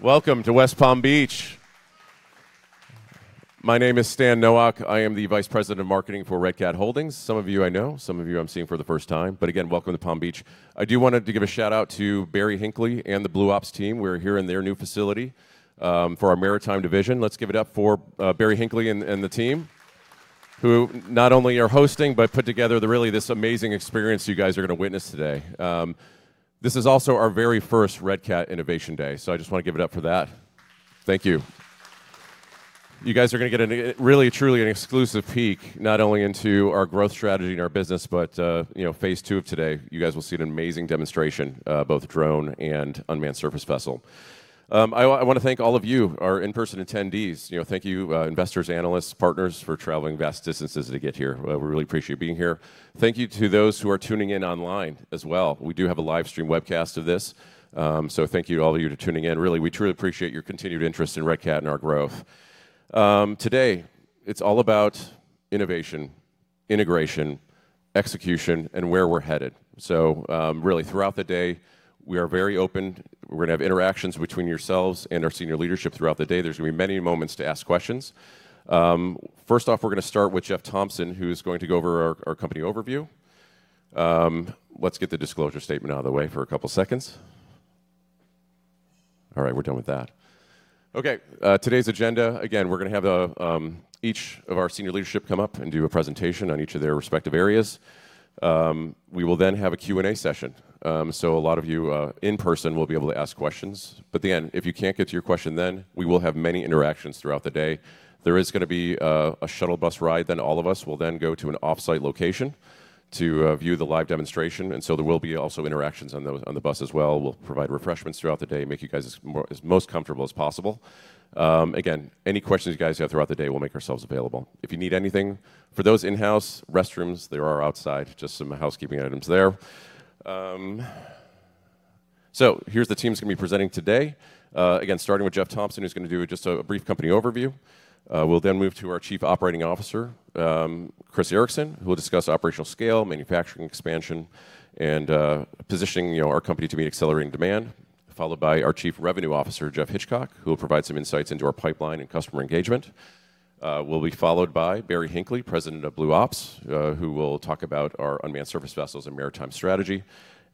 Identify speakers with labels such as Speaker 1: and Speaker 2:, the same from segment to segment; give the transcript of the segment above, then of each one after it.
Speaker 1: Welcome to West Palm Beach. My name is Stan Nowak. I am the Vice President of Marketing for Red Cat Holdings. Some of you I know, some of you I'm seeing for the first time, but again, welcome to Palm Beach. I do want to give a shout-out to Barry Hinckley and the Blue Ops team. We're here in their new facility for our maritime division. Let's give it up for Barry Hinckley and the team, who not only are hosting, but put together the really, this amazing experience you guys are going to witness today. This is also our very first Red Cat Innovation Day, so I just want to give it up for that. Thank you. You guys are going to get a really, truly an exclusive peek, not only into our growth strategy and our business, but, you know, phase two of today. You guys will see an amazing demonstration, both drone and unmanned surface vessel. I want to thank all of you, our in-person attendees. You know, thank you, investors, analysts, partners, for traveling vast distances to get here. We really appreciate you being here. Thank you to those who are tuning in online as well. We do have a live stream webcast of this. Thank you, all of you, to tuning in. Really, we truly appreciate your continued interest in Red Cat and our growth. Today, it's all about innovation, integration, execution, and where we're headed. Really, throughout the day, we are very open. We're going to have interactions between yourselves and our senior leadership throughout the day. There's going to be many moments to ask questions. First off, we're going to start with Jeff Thompson, who is going to go over our company overview. Let's get the disclosure statement out of the way for a couple seconds. All right, we're done with that. Today's agenda. Again, we're going to have the each of our senior leadership come up and do a presentation on each of their respective areas. We will then have a Q&A session, so a lot of you in person, will be able to ask questions. At the end, if you can't get to your question then, we will have many interactions throughout the day. There is going to be a shuttle bus ride, then all of us will then go to an off-site location to view the live demonstration. There will be also interactions on the bus as well. We'll provide refreshments throughout the day, make you guys as most comfortable as possible. Again, any questions you guys have throughout the day, we'll make ourselves available. If you need anything, for those in-house, restrooms, they are outside. Just some housekeeping items there. Here's the team that's going to be presenting today. Again, starting with Jeff Thompson, who's going to do just a brief company overview. We'll then move to our Chief Operating Officer, Chris Ericson, who will discuss operational scale, manufacturing expansion, and positioning, you know, our company to meet accelerating demand. Followed by our Chief Revenue Officer, Geoff Hitchcock, who will provide some insights into our pipeline and customer engagement. We'll be followed by Barry Hinckley, President of Blue Ops, who will talk about our unmanned surface vessels and maritime strategy.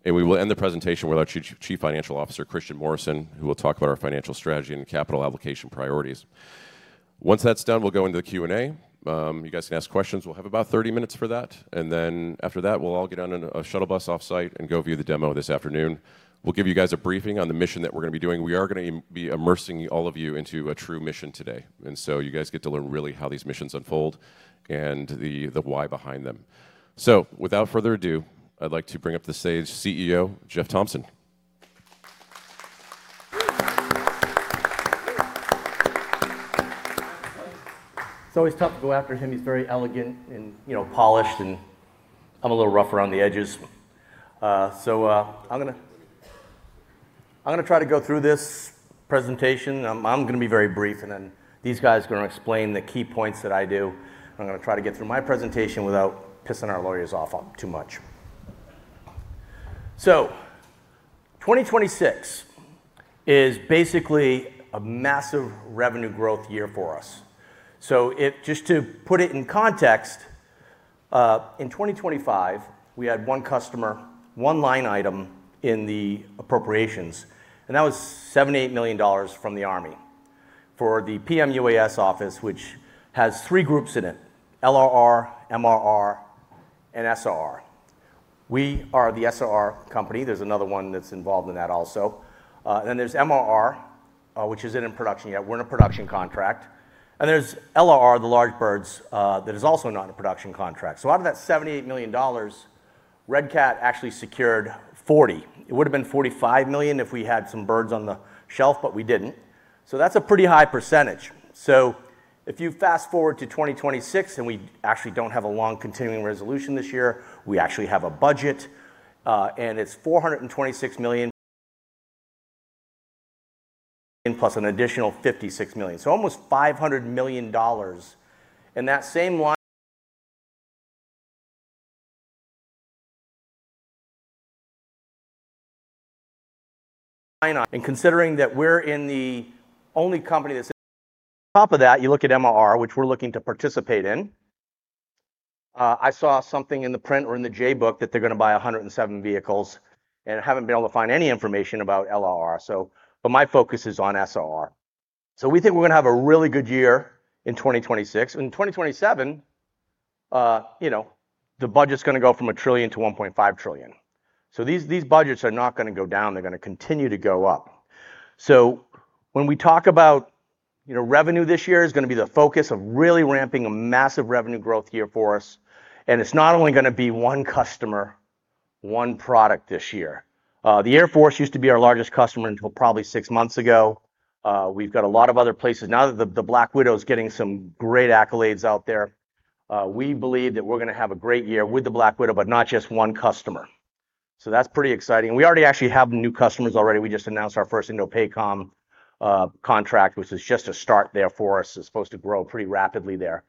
Speaker 1: We will end the presentation with our Chief Financial Officer, Christian Morrison, who will talk about our financial strategy and capital allocation priorities. Once that's done, we'll go into the Q&A. You guys can ask questions. We'll have about 30 minutes for that, and then after that, we'll all get on a shuttle bus off-site and go view the demo this afternoon. We'll give you guys a briefing on the mission that we're going to be doing. We are going to be immersing all of you into a true mission today, you guys get to learn really how these missions unfold and the why behind them. Without further ado, I'd like to bring up the stage CEO, Jeff Thompson.
Speaker 2: It's always tough to go after him. He's very elegant and, you know, polished, and I'm a little rough around the edges. I'm going to try to go through this presentation. I'm going to be very brief, these guys are going to explain the key points that I do. I'm going to try to get through my presentation without pissing our lawyers off too much. 2026 is basically a massive revenue growth year for us. Just to put it in context, in 2025, we had one customer, one line item in the appropriations, and that was $78 million from the Army for the PMUAS office, which has three groups in it: LRR, MRR, and SRR. We are the SRR company. There's another one that's involved in that also. Then there's MRR, which isn't in production yet. We're in a production contract. There's LRR, the large birds, that is also not in a production contract. Out of that $78 million, Red Cat actually secured $40 million. It would've been $45 million if we had some birds on the shelf, but we didn't. That's a pretty high percentage. If you fast-forward to 2026, and we actually don't have a long continuing resolution this year, we actually have a budget, and it's $426 million, plus an additional $56 million, so almost $500 million. That same line... Considering that we're in the only company that's... On top of that, you look at MRR, which we're looking to participate in. I saw something in the print or in the J-Book that they're going to buy 107 vehicles, and I haven't been able to find any information about LRR, so but my focus is on SRR. We think we're going to have a really good year in 2026. In 2027, you know, the budget's going to go from $1 trillion to $1.5 trillion. These budgets are not going to go down. They're going to continue to go up. When we talk about, you know, revenue this year is going to be the focus of really ramping a massive revenue growth year for us, and it's not only going to be one customer, one product this year. The Air Force used to be our largest customer until probably six months ago. We've got a lot of other places. Now that the Black Widow is getting some great accolades out there, we believe that we're going to have a great year with the Black Widow, but not just one customer. That's pretty exciting. We already actually have new customers already. We just announced our first INDOPACOM contract, which is just a start there for us. It's supposed to grow pretty rapidly there.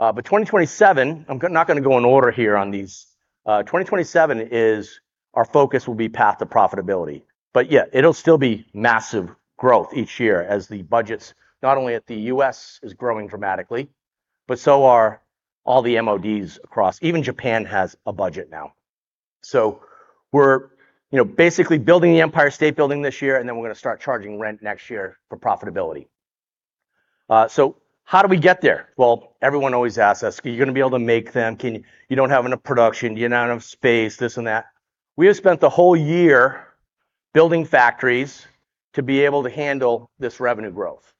Speaker 2: 2027, I'm not going to go in order here on these. 2027 is our focus will be path to profitability. Yeah, it'll still be massive growth each year as the budgets, not only at the U.S., is growing dramatically, but so are all the MODs. Even Japan has a budget now. We're, you know, basically building the Empire State Building this year, and then we're going to start charging rent next year for profitability. How do we get there? Well, everyone always asks us: "Are you going to be able to make them? You don't have enough production. You don't have enough space," this and that. We have spent the whole year building factories to be able to handle this revenue growth.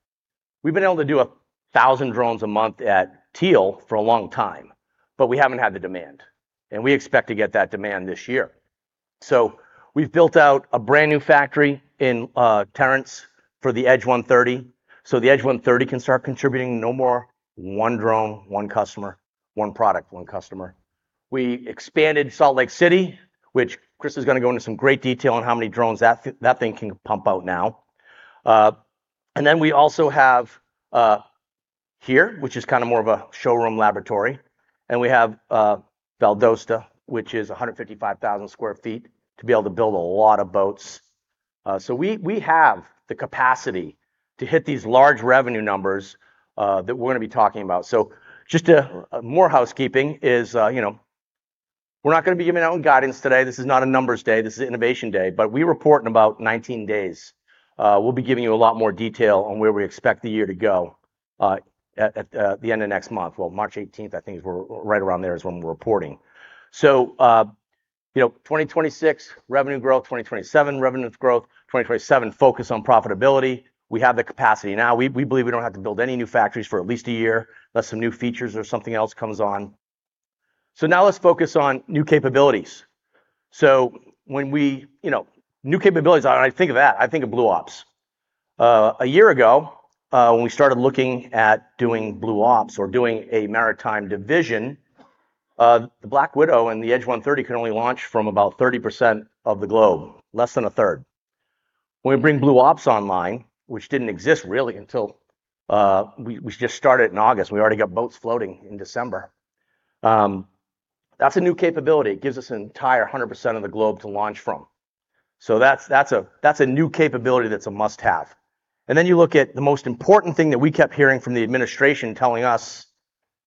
Speaker 2: We've been able to do 1,000 drones a month at Teal for a long time, but we haven't had the demand, and we expect to get that demand this year. We've built out a brand-new factory in Torrance for the Edge 130, so the Edge 130 can start contributing. No more one drone, one customer, one product, one customer. We expanded Salt Lake City, which Chris is going to go into some great detail on how many drones that thing can pump out now. We also have here, which is kind of more of a showroom laboratory, and we have Valdosta, which is 155,000 sq ft, to be able to build a lot of boats. We have the capacity to hit these large revenue numbers that we're going to be talking about. Just more housekeeping is, you know, we're not going to be giving out guidance today. This is not a numbers day, this is innovation day, but we report in about 19 days. We'll be giving you a lot more detail on where we expect the year to go at the end of next month. Well, March 18th, I think, is right around there is when we're reporting. You know, 2026, revenue growth. 2027, revenue growth. 2027, focus on profitability. We have the capacity now. We believe we don't have to build any new factories for at least a year, unless some new features or something else comes on. Now let's focus on new capabilities. When we, you know, new capabilities, when I think of that, I think of Blue Ops. A year ago, when we started looking at doing Blue Ops or doing a maritime division, the Black Widow and the Edge 130 could only launch from about 30% of the globe, less than a third. When we bring Blue Ops online, which didn't exist really until we just started in August, we already got boats floating in December. That's a new capability. It gives us an entire 100% of the globe to launch from. That's a new capability that's a must-have. You look at the most important thing that we kept hearing from the administration telling us: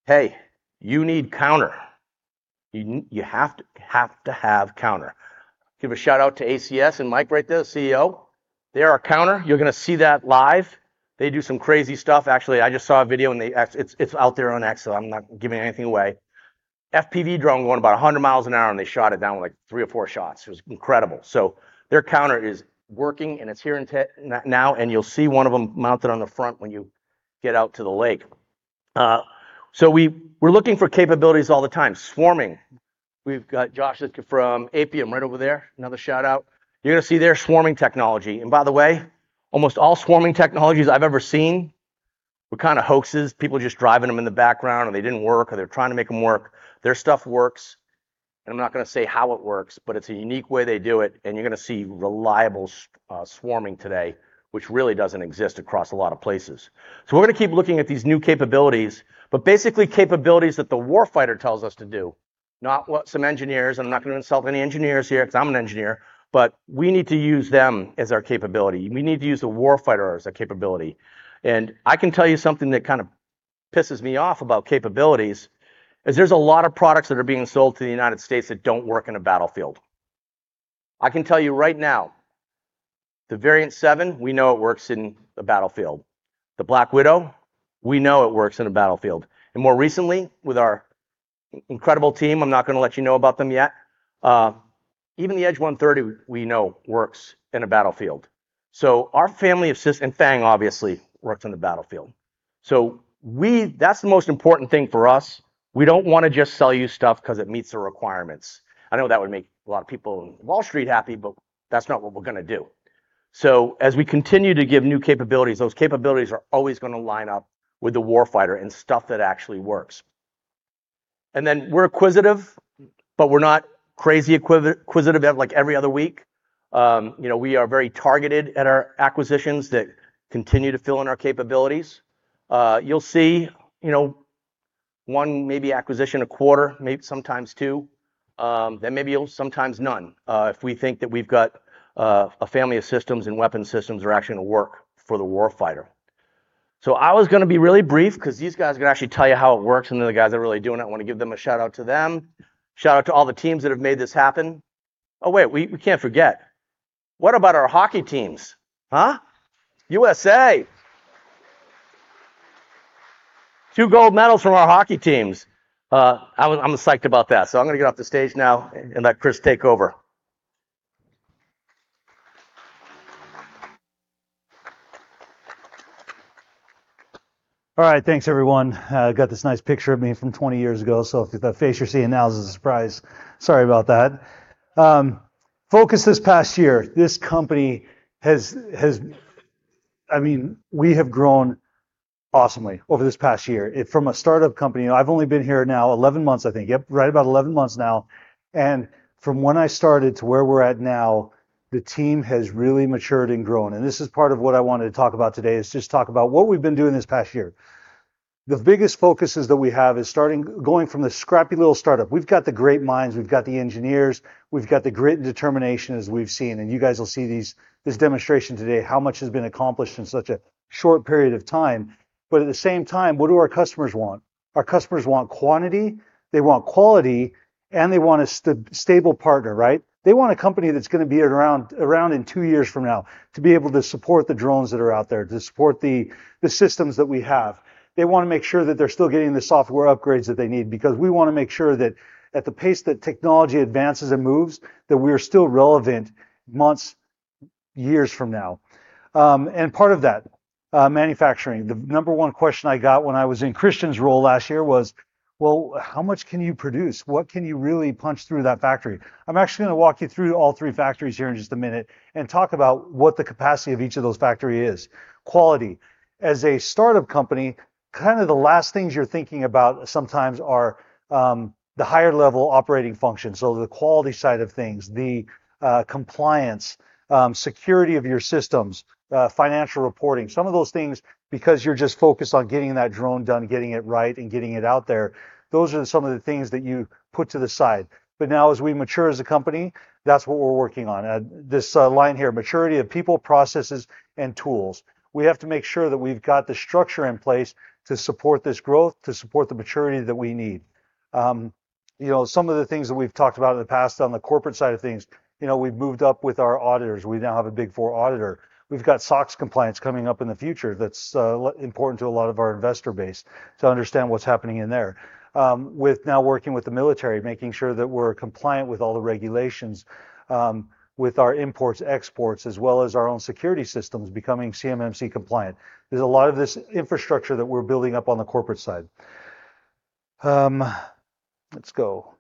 Speaker 2: "Hey, you need counter. You have to have counter." Give a shout-out to ACS and Mike, right there, the CEO. They're our counter. You're going to see that live. They do some crazy stuff. Actually, I just saw a video, it's out there on X, so I'm not giving anything away. FPV drone going about 100 miles an hour, and they shot it down with, like, three or four shots. It was incredible. Their counter is working, and it's here now, and you'll see one of them mounted on the front when you get out to the lake. We're looking for capabilities all the time. Swarming. We've got Josh from Apium right over there. Another shout-out. You're going to see their swarming technology. By the way, almost all swarming technologies I've ever seen were kind of hoaxes, people just driving them in the background, or they didn't work, or they're trying to make them work. Their stuff works, and I'm not going to say how it works, but it's a unique way they do it, and you're going to see reliable swarming today, which really doesn't exist across a lot of places. We're going to keep looking at these new capabilities, but basically capabilities that the warfighter tells us to do, not what some engineers, and I'm not going to insult any engineers here, because I'm an engineer, but we need to use them as our capability. We need to use the warfighter as a capability. I can tell you something that kind of pisses me off about capabilities is there's a lot of products that are being sold to the United States that don't work in a battlefield. I can tell you right now, the Variant 7, we know it works in the battlefield. The Black Widow, we know it works in a battlefield. More recently, with our incredible team, I'm not going to let you know about them yet, even the Edge 130, we know works in a battlefield. Our family of and FANG, obviously, works on the battlefield. That's the most important thing for us. We don't want to just sell you stuff because it meets the requirements. I know that would make a lot of people on Wall Street happy, but that's not what we're going to do. As we continue to give new capabilities, those capabilities are always going to line up with the warfighter and stuff that actually works. Then we're acquisitive, but we're not crazy acquisitive, like, every other week. You know, we are very targeted at our acquisitions that continue to fill in our capabilities. You'll see, you know, one maybe acquisition a quarter, maybe sometimes two, then maybe sometimes none, if we think that we've got a family of systems and weapon systems that are actually going to work for the warfighter. I was going to be really brief because these guys are going to actually tell you how it works, and they're the guys that are really doing it. I want to give them a shout-out to them. Shout-out to all the teams that have made this happen. Wait, we can't forget. What about our hockey teams, huh? U.S.A.! Two gold medals from our hockey teams. I'm psyched about that. I'm going to get off the stage now and let Chris take over.
Speaker 3: All right. Thanks, everyone. Got this nice picture of me from 20 years ago, so if the face you're seeing now is a surprise, sorry about that. Focus this past year, this company has, I mean, we have grown awesomely over this past year. From a startup company, I've only been here now 11 months, I think. Yep, right about 11 months now. From when I started to where we're at now, the team has really matured and grown. This is part of what I wanted to talk about today, is just talk about what we've been doing this past year. The biggest focuses that we have is starting, going from the scrappy little startup. We've got the great minds, we've got the engineers, we've got the grit and determination, as we've seen, and you guys will see these, this demonstration today, how much has been accomplished in such a short period of time. At the same time, what do our customers want? Our customers want quantity, they want quality, and they want a stable partner, right? They want a company that's gonna be around in two years from now, to be able to support the drones that are out there, to support the systems that we have. They wanna make sure that they're still getting the software upgrades that they need, because we wanna make sure that at the pace that technology advances and moves, that we're still relevant months, years from now. Part of that, manufacturing. The number one question I got when I was in Christian's role last year was, "Well, how much can you produce? What can you really punch through that factory?" I'm actually gonna walk you through all three factories here in just a minute and talk about what the capacity of each of those factory is. Quality. As a startup company, kind of the last things you're thinking about sometimes are, the higher level operating functions, so the quality side of things, the compliance, security of your systems, financial reporting. Some of those things, because you're just focused on getting that drone done, getting it right, and getting it out there, those are some of the things that you put to the side. Now, as we mature as a company, that's what we're working on. This, line here, maturity of people, processes, and tools. We have to make sure that we've got the structure in place to support this growth, to support the maturity that we need. You know, some of the things that we've talked about in the past on the corporate side of things, you know, we've moved up with our auditors. We now have a Big Four auditor. We've got SOX compliance coming up in the future that's important to a lot of our investor base to understand what's happening in there. With now working with the military, making sure that we're compliant with all the regulations, with our imports, exports, as well as our own security systems becoming CMMC compliant. There's a lot of this infrastructure that we're building up on the corporate side. Let's go.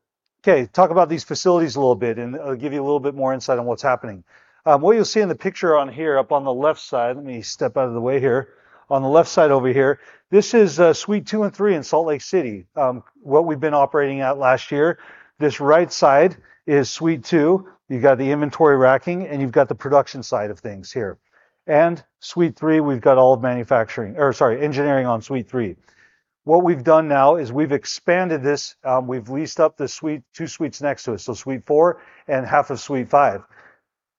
Speaker 3: Okay, talk about these facilities a little bit, and I'll give you a little bit more insight on what's happening. What you'll see in the picture on here, up on the left side. Let me step out of the way here. On the left side over here, this is Suite 2 and 3 in Salt Lake City, what we've been operating at last year. This right side is Suite 2. You've got the inventory racking, and you've got the production side of things here. Suite 3, we've got all of engineering on Suite 3. What we've done now is we've expanded this, we've leased up the suite, two suites next to it, so Suite 4 and half of Suite 5.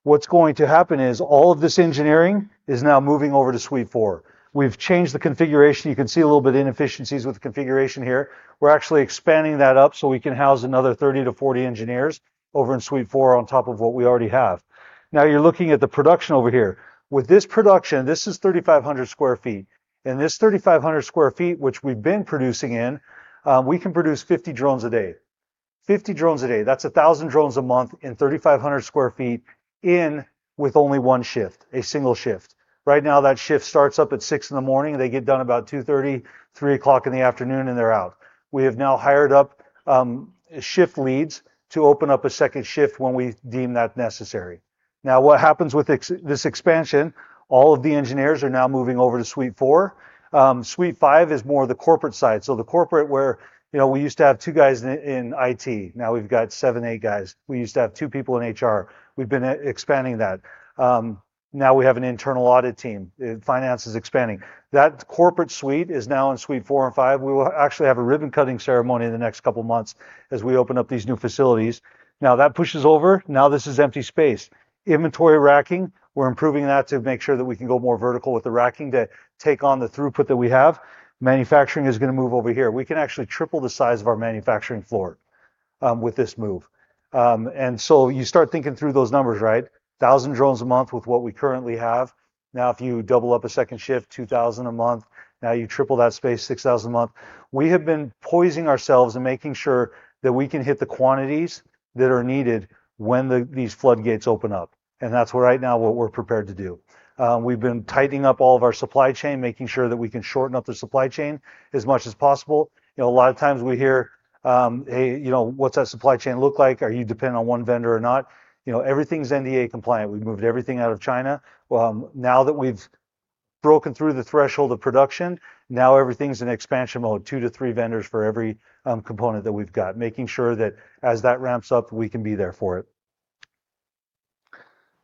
Speaker 3: What's going to happen is all of this engineering is now moving over to Suite 4. We've changed the configuration. You can see a little bit inefficiencies with the configuration here. We're actually expanding that up, so we can house another 30 to 40 engineers over in Suite 4 on top of what we already have. Now, you're looking at the production over here. With this production, thSs is 3,500 sq ft. This 3,500 sq ft, which we've been producing in, we can produce 50 drones a day. 50 drones a day, that's 1,000 drones a month in 3,500 sq ft in, with only one shift, a single shift. Right now, that shift starts up at 6:00 A.M. They get done about 2:30, 3:00 P.M., and they're out. We have now hired up, shift leads to open up a second shift when we deem that necessary. What happens with this expansion, all of the engineers are now moving over to Suite 4. Suite 5 is more the corporate side, so the corporate where, you know, we used to have two guys in IT. We've got seven, eighttwo guys. We used to have 2 people in HR. We've been expanding that. We have an internal audit team. Finance is expanding. That corporate suite is now in Suite 4 and 5. We will actually have a ribbon-cutting ceremony in the next couple of months as we open up these new facilities. That pushes over. This is empty space. Inventory racking, we're improving that to make sure that we can go more vertical with the racking to take on the throughput that we have. Manufacturing is gonna move over here. We can actually triple the size of our manufacturing floor with this move. You start thinking through those numbers, right? 1,000 drones a month with what we currently have. If you double up a second shift, 2,000 a month. You triple that space, 6,000 a month. We have been poising ourselves and making sure that we can hit the quantities that are needed when these floodgates open up, and that's what right now what we're prepared to do. We've been tightening up all of our supply chain, making sure that we can shorten up the supply chain as much as possible. You know, a lot of times we hear, "Hey, you know, what's that supply chain look like? Are you dependent on one vendor or not?" You know, everything's NDA compliant. We've moved everything out of China. Now that we've broken through the threshold of production, now everything's in expansion mode, two to three vendors for every component that we've got, making sure that as that ramps up, we can be there for it.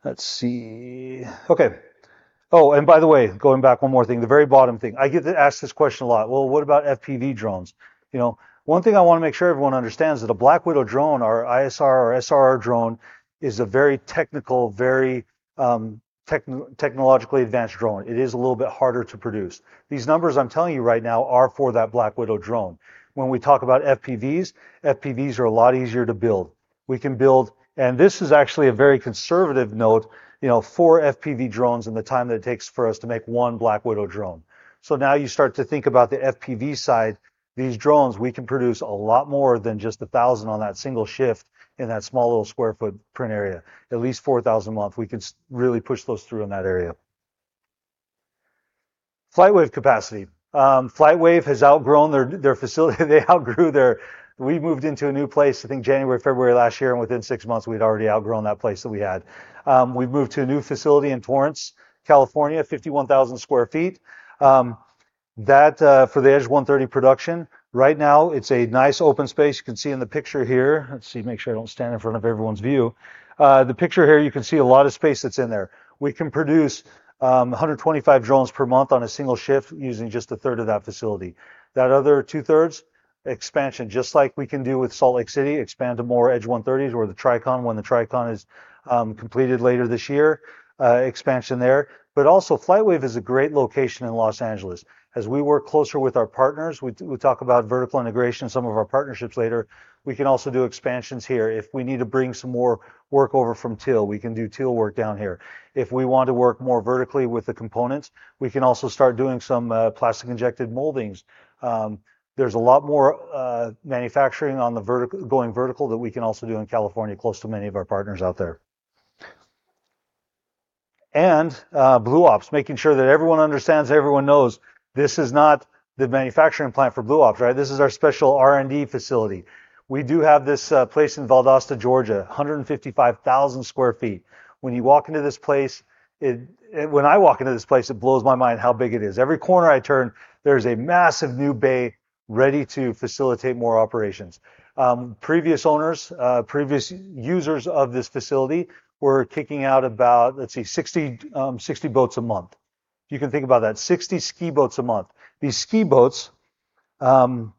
Speaker 3: Let's see. Okay. By the way, going back one more thing, the very bottom thing. I get asked this question a lot: "Well, what about FPV drones?" You know, one thing I wanna make sure everyone understands that a Black Widow drone or ISR or SRR drone is a very technical, very technologically advanced drone. It is a little bit harder to produce. These numbers I'm telling you right now are for that Black Widow drone. When we talk about FPVs are a lot easier to build. We can build, this is actually a very conservative note, you know, 4 FPV drones in the time that it takes for us to make 1 Black Widow drone. Now you start to think about the FPV side. These drones, we can produce a lot more than just 1,000 on that single shift in that small little square footprint area. At least 4,000 a month, we could really push those through in that area. FlightWave capacity. FlightWave has outgrown their facility. They outgrew. We moved into a new place, I think, January, February last year, and within six months, we'd already outgrown that place that we had. We moved to a new facility in Torrance, California, 51,000 sq ft. That, for the Edge 130 production, right now, it's a nice, open space. You can see in the picture here. Let's see, make sure I don't stand in front of everyone's view. The picture here, you can see a lot of space that's in there. We can produce 125 drones per month on a single shift using just a third of that facility. That other two-thirds? Expansion, just like we can do with Salt Lake City, expand to more Edge 130s or the Tricon when the Tricon is completed later this year, expansion there. Also, FlightWave is a great location in Los Angeles. As we work closer with our partners, we talk about vertical integration and some of our partnerships later, we can also do expansions here. If we need to bring some more work over from Teal, we can do Teal work down here. If we want to work more vertically with the components, we can also start doing some plastic-injected moldings. There's a lot more manufacturing on the going vertical that we can also do in California, close to many of our partners out there. Blue Ops, making sure that everyone understands and everyone knows this is not the manufacturing plant for Blue Ops, right? This is our special R&D facility. We do have this place in Valdosta, Georgia, 155,000 sq ft. When you walk into this place, when I walk into this place, it blows my mind how big it is. Every corner I turn, there's a massive new bay ready to facilitate more operations. Previous owners, previous users of this facility were kicking out about, let's see, 60 boats a month. You can think about that, 60 ski boats a month. These ski boats have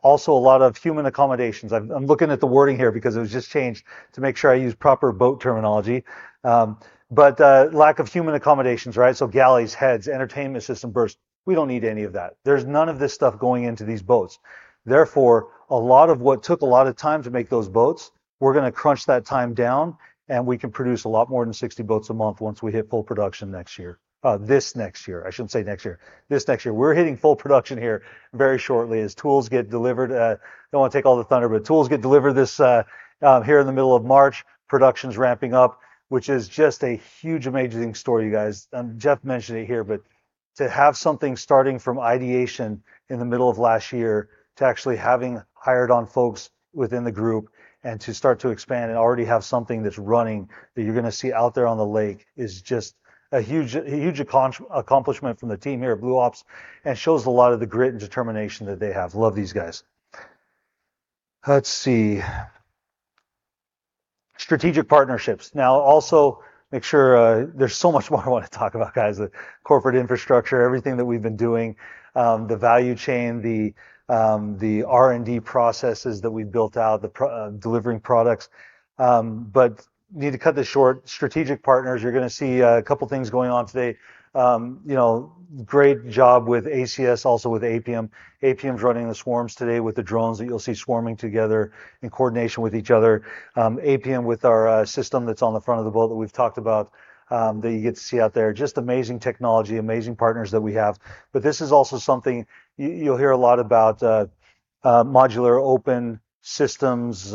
Speaker 3: also a lot of human accommodations. I'm looking at the wording here because it was just changed, to make sure I use proper boat terminology. Lack of human accommodations, right? So galleys, heads, entertainment system, berths. We don't need any of that. There's none of this stuff going into these boats. A lot of what took a lot of time to make those boats, we're gonna crunch that time down, and we can produce a lot more than 60 boats a month once we hit full production next year. This next year. We're hitting full production here very shortly as tools get delivered. Don't wanna take all the thunder, but tools get delivered this here in the middle of March. Production's ramping up, which is just a huge, amazing story, you guys. Jeff mentioned it here, but to have something starting from ideation in the middle of last year to actually having hired on folks within the group and to start to expand and already have something that's running that you're gonna see out there on the lake, is just a huge, a huge accomplishment from the team here at Blue Ops, and shows a lot of the grit and determination that they have. Love these guys. Let's see. Strategic partnerships. also make sure. There's so much more I wanna talk about, guys, the corporate infrastructure, everything that we've been doing, the value chain, the R&D processes that we've built out, delivering products. Need to cut this short. Strategic partners, you're gonna see a couple of things going on today. You know, great job with ACS, also with Apium. Apium's running the swarms today with the drones that you'll see swarming together in coordination with each other. Apium with our system that's on the front of the boat that we've talked about, that you get to see out there. Just amazing technology, amazing partners that we have. This is also something you'll hear a lot about, modular open systems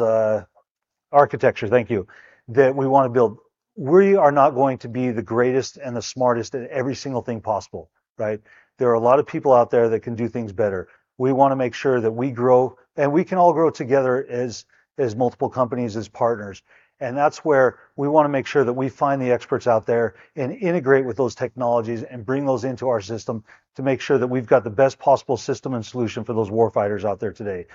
Speaker 3: architecture, thank you, that we wanna build. We are not going to be the greatest and the smartest at every single thing possible, right? There are a lot of people out there that can do things better. We wanna make sure that we grow, and we can all grow together as multiple companies, as partners. That's where we wanna make sure that we find the experts out there and integrate with those technologies and bring those into our system to make sure that we've got the best possible system and solution for those warfighters out there today.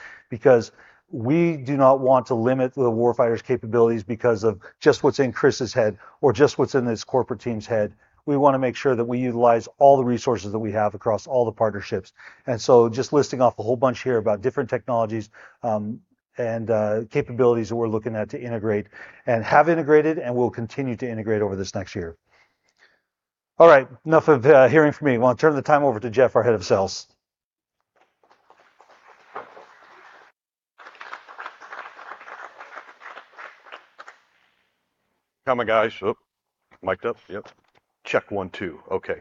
Speaker 3: We do not want to limit the warfighter's capabilities because of just what's in Chris's head or just what's in this corporate team's head. We wanna make sure that we utilize all the resources that we have across all the partnerships. Just listing off a whole bunch here about different technologies, and capabilities that we're looking at to integrate and have integrated, and will continue to integrate over this next year. All right, enough of hearing from me. I want to turn the time over to Geoff, our Head of Sales.
Speaker 4: How am I, guys? Oh, mic'd up? Yep. Check one, two. Okay.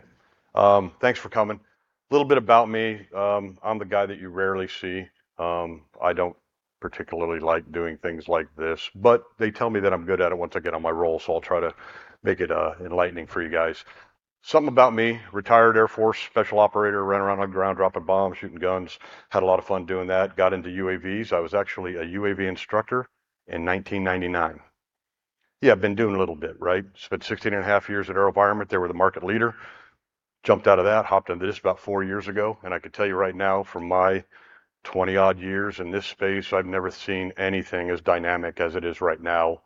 Speaker 4: Thanks for coming. A little bit about me. I'm the guy that you rarely see. I don't particularly like doing things like this, but they tell me that I'm good at it once I get on my roll, so I'll try to make it enlightening for you guys. Something about me: retired Air Force special operator, ran around on the ground, dropping bombs, shooting guns. Had a lot of fun doing that. Got into UAVs. I was actually a UAV instructor in 1999. Yeah, I've been doing it a little bit, right? Spent 16 and a half years at AeroVironment. They were the market leader. Jumped out of that, hopped into this about four years ago. I can tell you right now, from my 20-odd years in this space, I've never seen anything as dynamic as it is right now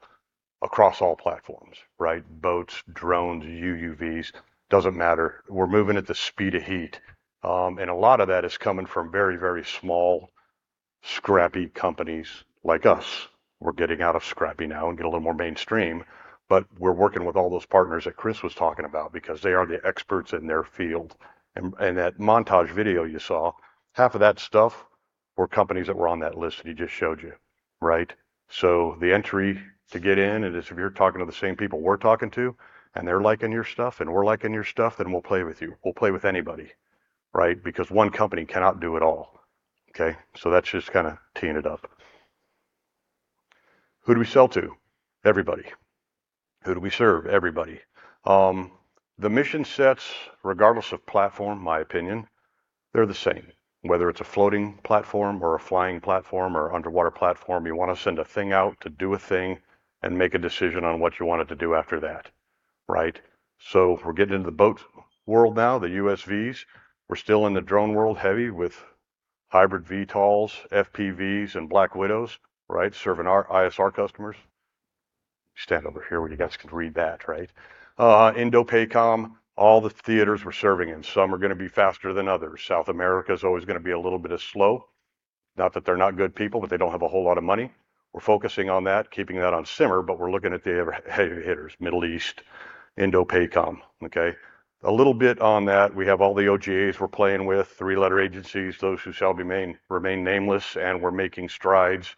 Speaker 4: across all platforms, right? Boats, drones, UUVs, doesn't matter. We're moving at the speed of heat. A lot of that is coming from very, very small, scrappy companies like us. We're getting out of scrappy now and get a little more mainstream, but we're working with all those partners that Chris was talking about because they are the experts in their field. That montage video you saw, half of that stuff were companies that were on that list that he just showed you, right? The entry to get in it is if you're talking to the same people we're talking to, and they're liking your stuff, and we're liking your stuff, then we'll play with you. We'll play with anybody, right? Because one company cannot do it all, okay? That's just kinda teeing it up. Who do we sell to? Everybody. Who do we serve? Everybody. The mission sets, regardless of platform, my opinion, they're the same, whether it's a floating platform or a flying platform or underwater platform. You wanna send a thing out to do a thing and make a decision on what you want it to do after that, right? We're getting into the boat world now, the USVs. We're still in the drone world, heavy with hybrid VTOLs, FPVs, and Black Widows, right? Serving our ISR customers... Stand over here where you guys can read that, right? INDOPACOM, all the theaters we're serving in, some are gonna be faster than others. South America is always gonna be a little bit of slow. Not that they're not good people, but they don't have a whole lot of money. We're focusing on that, keeping that on simmer, but we're looking at the other heavy hitters, Middle East, INDOPACOM, okay? A little bit on that, we have all the OGAs we're playing with, three-letter agencies, those who shall remain nameless, and we're making strides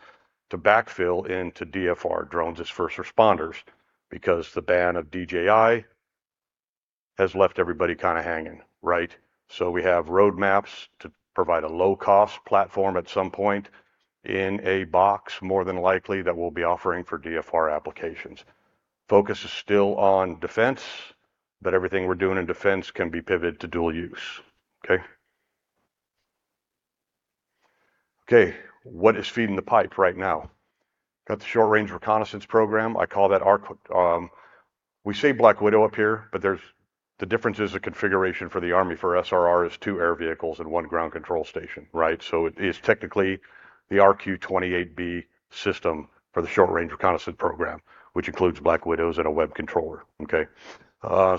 Speaker 4: to backfill into DFR, Drones as First Responders, because the ban of DJI has left everybody kinda hanging, right? We have roadmaps to provide a low-cost platform at some point, in a box, more than likely, that we'll be offering for DFR applications. Focus is still on defense, but everything we're doing in defense can be pivoted to dual use, okay? What is feeding the pipe right now? Got the Short-Range Reconnaissance program. I call that RQ. We say Black Widow up here, but there's the difference is the configuration for the Army for SRR is two air vehicles and one ground control station, right? So it is technically the RQ-28B system for the Short-Range Reconnaissance program, which includes Black Widows and a web controller, okay?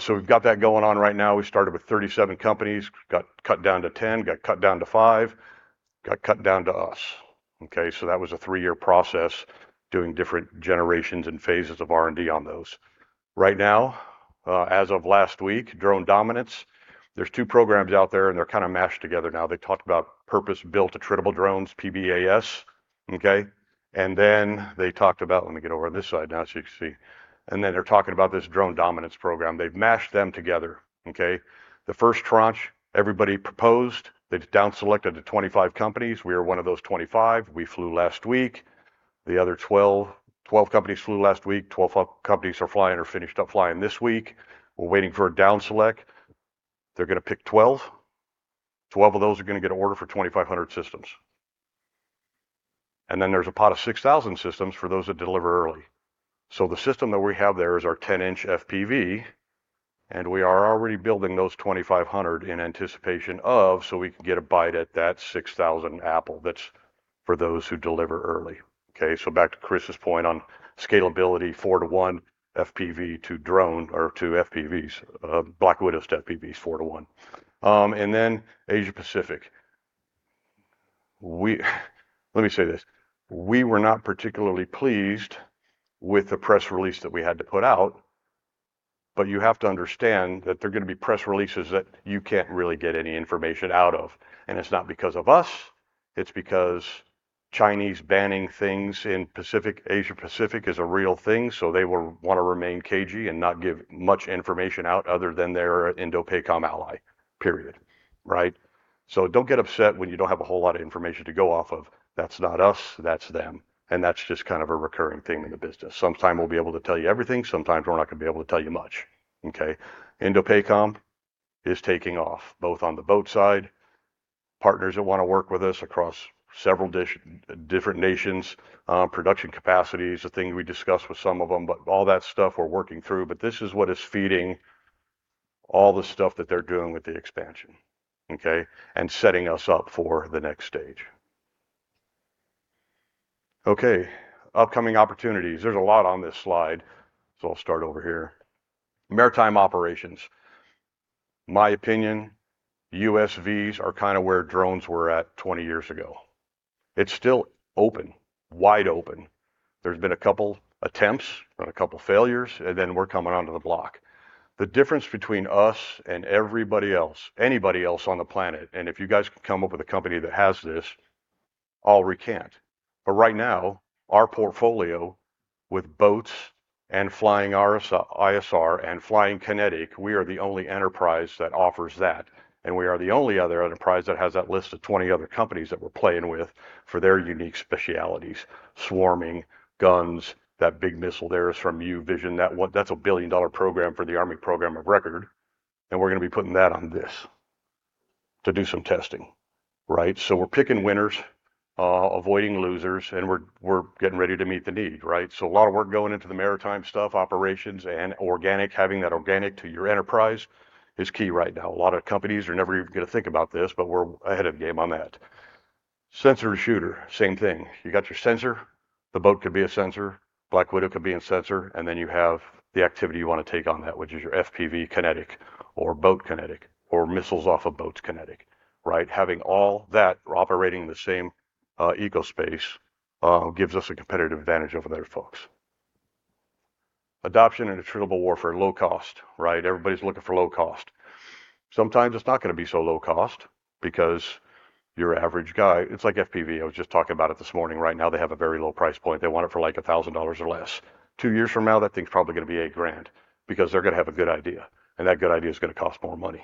Speaker 4: So we've got that going on right now. We started with 37 companies, got cut down to 10, got cut down to five, got cut down to us. Okay, that was a three-year process, doing different generations and phases of R&D on those. Right now, as of last week, Drone Dominance. There's two programs out there, and they're kinda mashed together now. They talked about Purpose-Built Attritable Drones, PBAS, okay? Then they talked about... Let me get over on this side now so you can see. Then they're talking about this Drone Dominance program. They've mashed them together, okay? The first tranche, everybody proposed. They down selected to 25 companies. We are one of those 25. We flew last week. The other 12 companies flew last week, 12 companies are flying or finished up flying this week. We're waiting for a down select. They're gonna pick 12. 12 of those are gonna get an order for 2,500 systems. Then there's a pot of 6,000 systems for those that deliver early. The system that we have there is our 10-inch FPV, and we are already building those 2,500 in anticipation of, so we can get a bite at that 6,000 apple. That's for those who deliver early. Okay, back to Chris's point on scalability, four to one, FPV to drone or to FPVs, Black Widows to FPVs, four to one. Asia Pacific. We, let me say this, we were not particularly pleased with the press release that we had to put out. You have to understand that there are gonna be press releases that you can't really get any information out of. It's not because of us, it's because Chinese banning things in Pacific, Asia Pacific is a real thing, so they will wanna remain cagey and not give much information out other than they're an INDOPACOM ally, period. Right? Don't get upset when you don't have a whole lot of information to go off of. That's not us, that's them. That's just kind of a recurring theme in the business. Sometime we'll be able to tell you everything, sometimes we're not gonna be able to tell you much, okay. INDOPACOM is taking off, both on the boat side, partners that wanna work with us across several different nations, production capacity is a thing we discussed with some of them, but all that stuff we're working through, but this is what is feeding all the stuff that they're doing with the expansion, okay. Setting us up for the next stage. Okay, upcoming opportunities. There's a lot on this slide, so I'll start over here. Maritime operations. My opinion, USVs are kinda where drones were at 20 years ago. It's still open, wide open. There's been a couple attempts and a couple failures, and then we're coming onto the block. The difference between us and everybody else, anybody else on the planet, and if you guys can come up with a company that has this, I'll recant. Right now, our portfolio with boats and flying ISR, and flying kinetic, we are the only enterprise that offers that, and we are the only other enterprise that has that list of 20 other companies that we're playing with for their unique specialties, swarming, guns, that big missile there is from UVision. That one, that's a billion-dollar program for the Army program of record, and we're gonna be putting that on this to do some testing, right? We're picking winners, avoiding losers, and we're getting ready to meet the need, right? A lot of work going into the maritime stuff, operations, and organic, having that organic to your enterprise is key right now. A lot of companies are never even gonna think about this. We're ahead of the game on that. Sensor to shooter, same thing. You got your sensor, the boat could be a sensor, Black Widow could be a sensor, and then you have the activity you wanna take on that, which is your FPV kinetic or boat kinetic, or missiles off a boat's kinetic, right? Having all that operating in the same eco-space gives us a competitive advantage over the other folks. Adoption and attributable warfare, low cost, right? Everybody's looking for low cost. Sometimes it's not gonna be so low cost because your average guy. It's like FPV, I was just talking about it this morning. Right now, they have a very low price point. They want it for, like, $1,000 or less. Two years from now, that thing's probably going to be $8,000 because they're going to have a good idea, and that good idea is going to cost more money,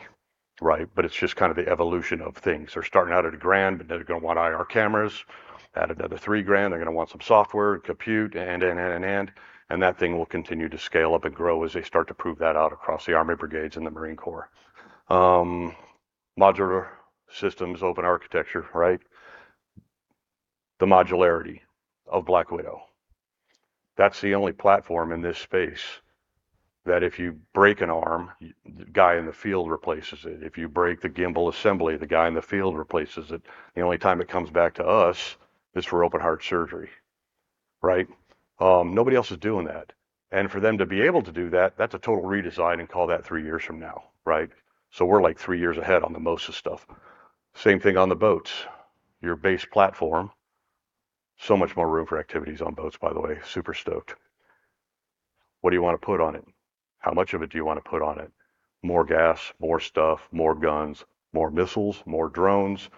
Speaker 4: right? It's just kind of the evolution of things. They're starting out at $1,000, but they're going to want IR cameras, add another $3,000, they're going to want some software, compute, and, and, and. That thing will continue to scale up and grow as they start to prove that out across the Army brigades and the Marine Corps. Modular systems, open architecture, right? The modularity of Black Widow, that's the only platform in this space... that if you break an arm, the guy in the field replaces it. If you break the gimbal assembly, the guy in the field replaces it. The only time it comes back to us is for open heart surgery, right? Nobody else is doing that. For them to be able to do that's a total redesign. Call that three years from now, right? We're, like, three years ahead on the most of stuff. Same thing on the boats. Your base platform, so much more room for activities on boats, by the way. Super stoked. What do you wanna put on it? How much of it do you wanna put on it? More gas, more stuff, more guns, more missiles, more drones?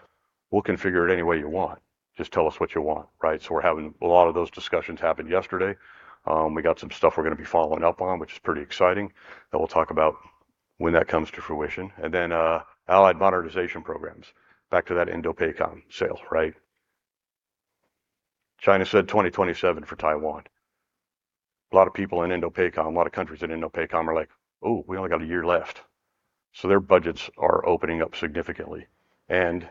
Speaker 4: We'll configure it any way you want. Just tell us what you want, right? A lot of those discussions happened yesterday. We got some stuff we're gonna be following up on, which is pretty exciting, that we'll talk about when that comes to fruition. Allied modernization programs. Back to that INDOPACOM sale, right? China said 2027 for Taiwan. A lot of people in INDOPACOM, a lot of countries in INDOPACOM are like: "Oh, we only got a year left." Their budgets are opening up significantly, and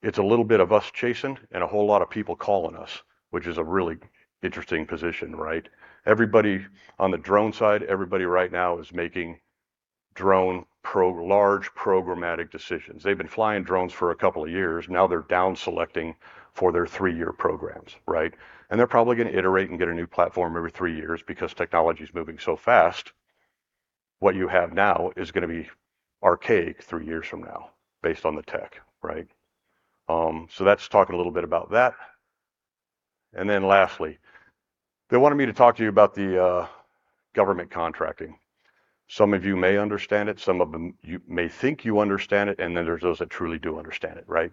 Speaker 4: it's a little bit of us chasing and a whole lot of people calling us, which is a really interesting position, right? Everybody on the drone side, everybody right now is making large programmatic decisions. They've been flying drones for a couple of years. Now, they're down selecting for their three-year programs, right? They're probably gonna iterate and get a new platform every three years because technology is moving so fast. What you have now is gonna be archaic three years from now, based on the tech, right? Let's talk a little bit about that. Lastly, they wanted me to talk to you about the government contracting. Some of you may understand it, some of them, you may think you understand it, and then there's those that truly do understand it, right?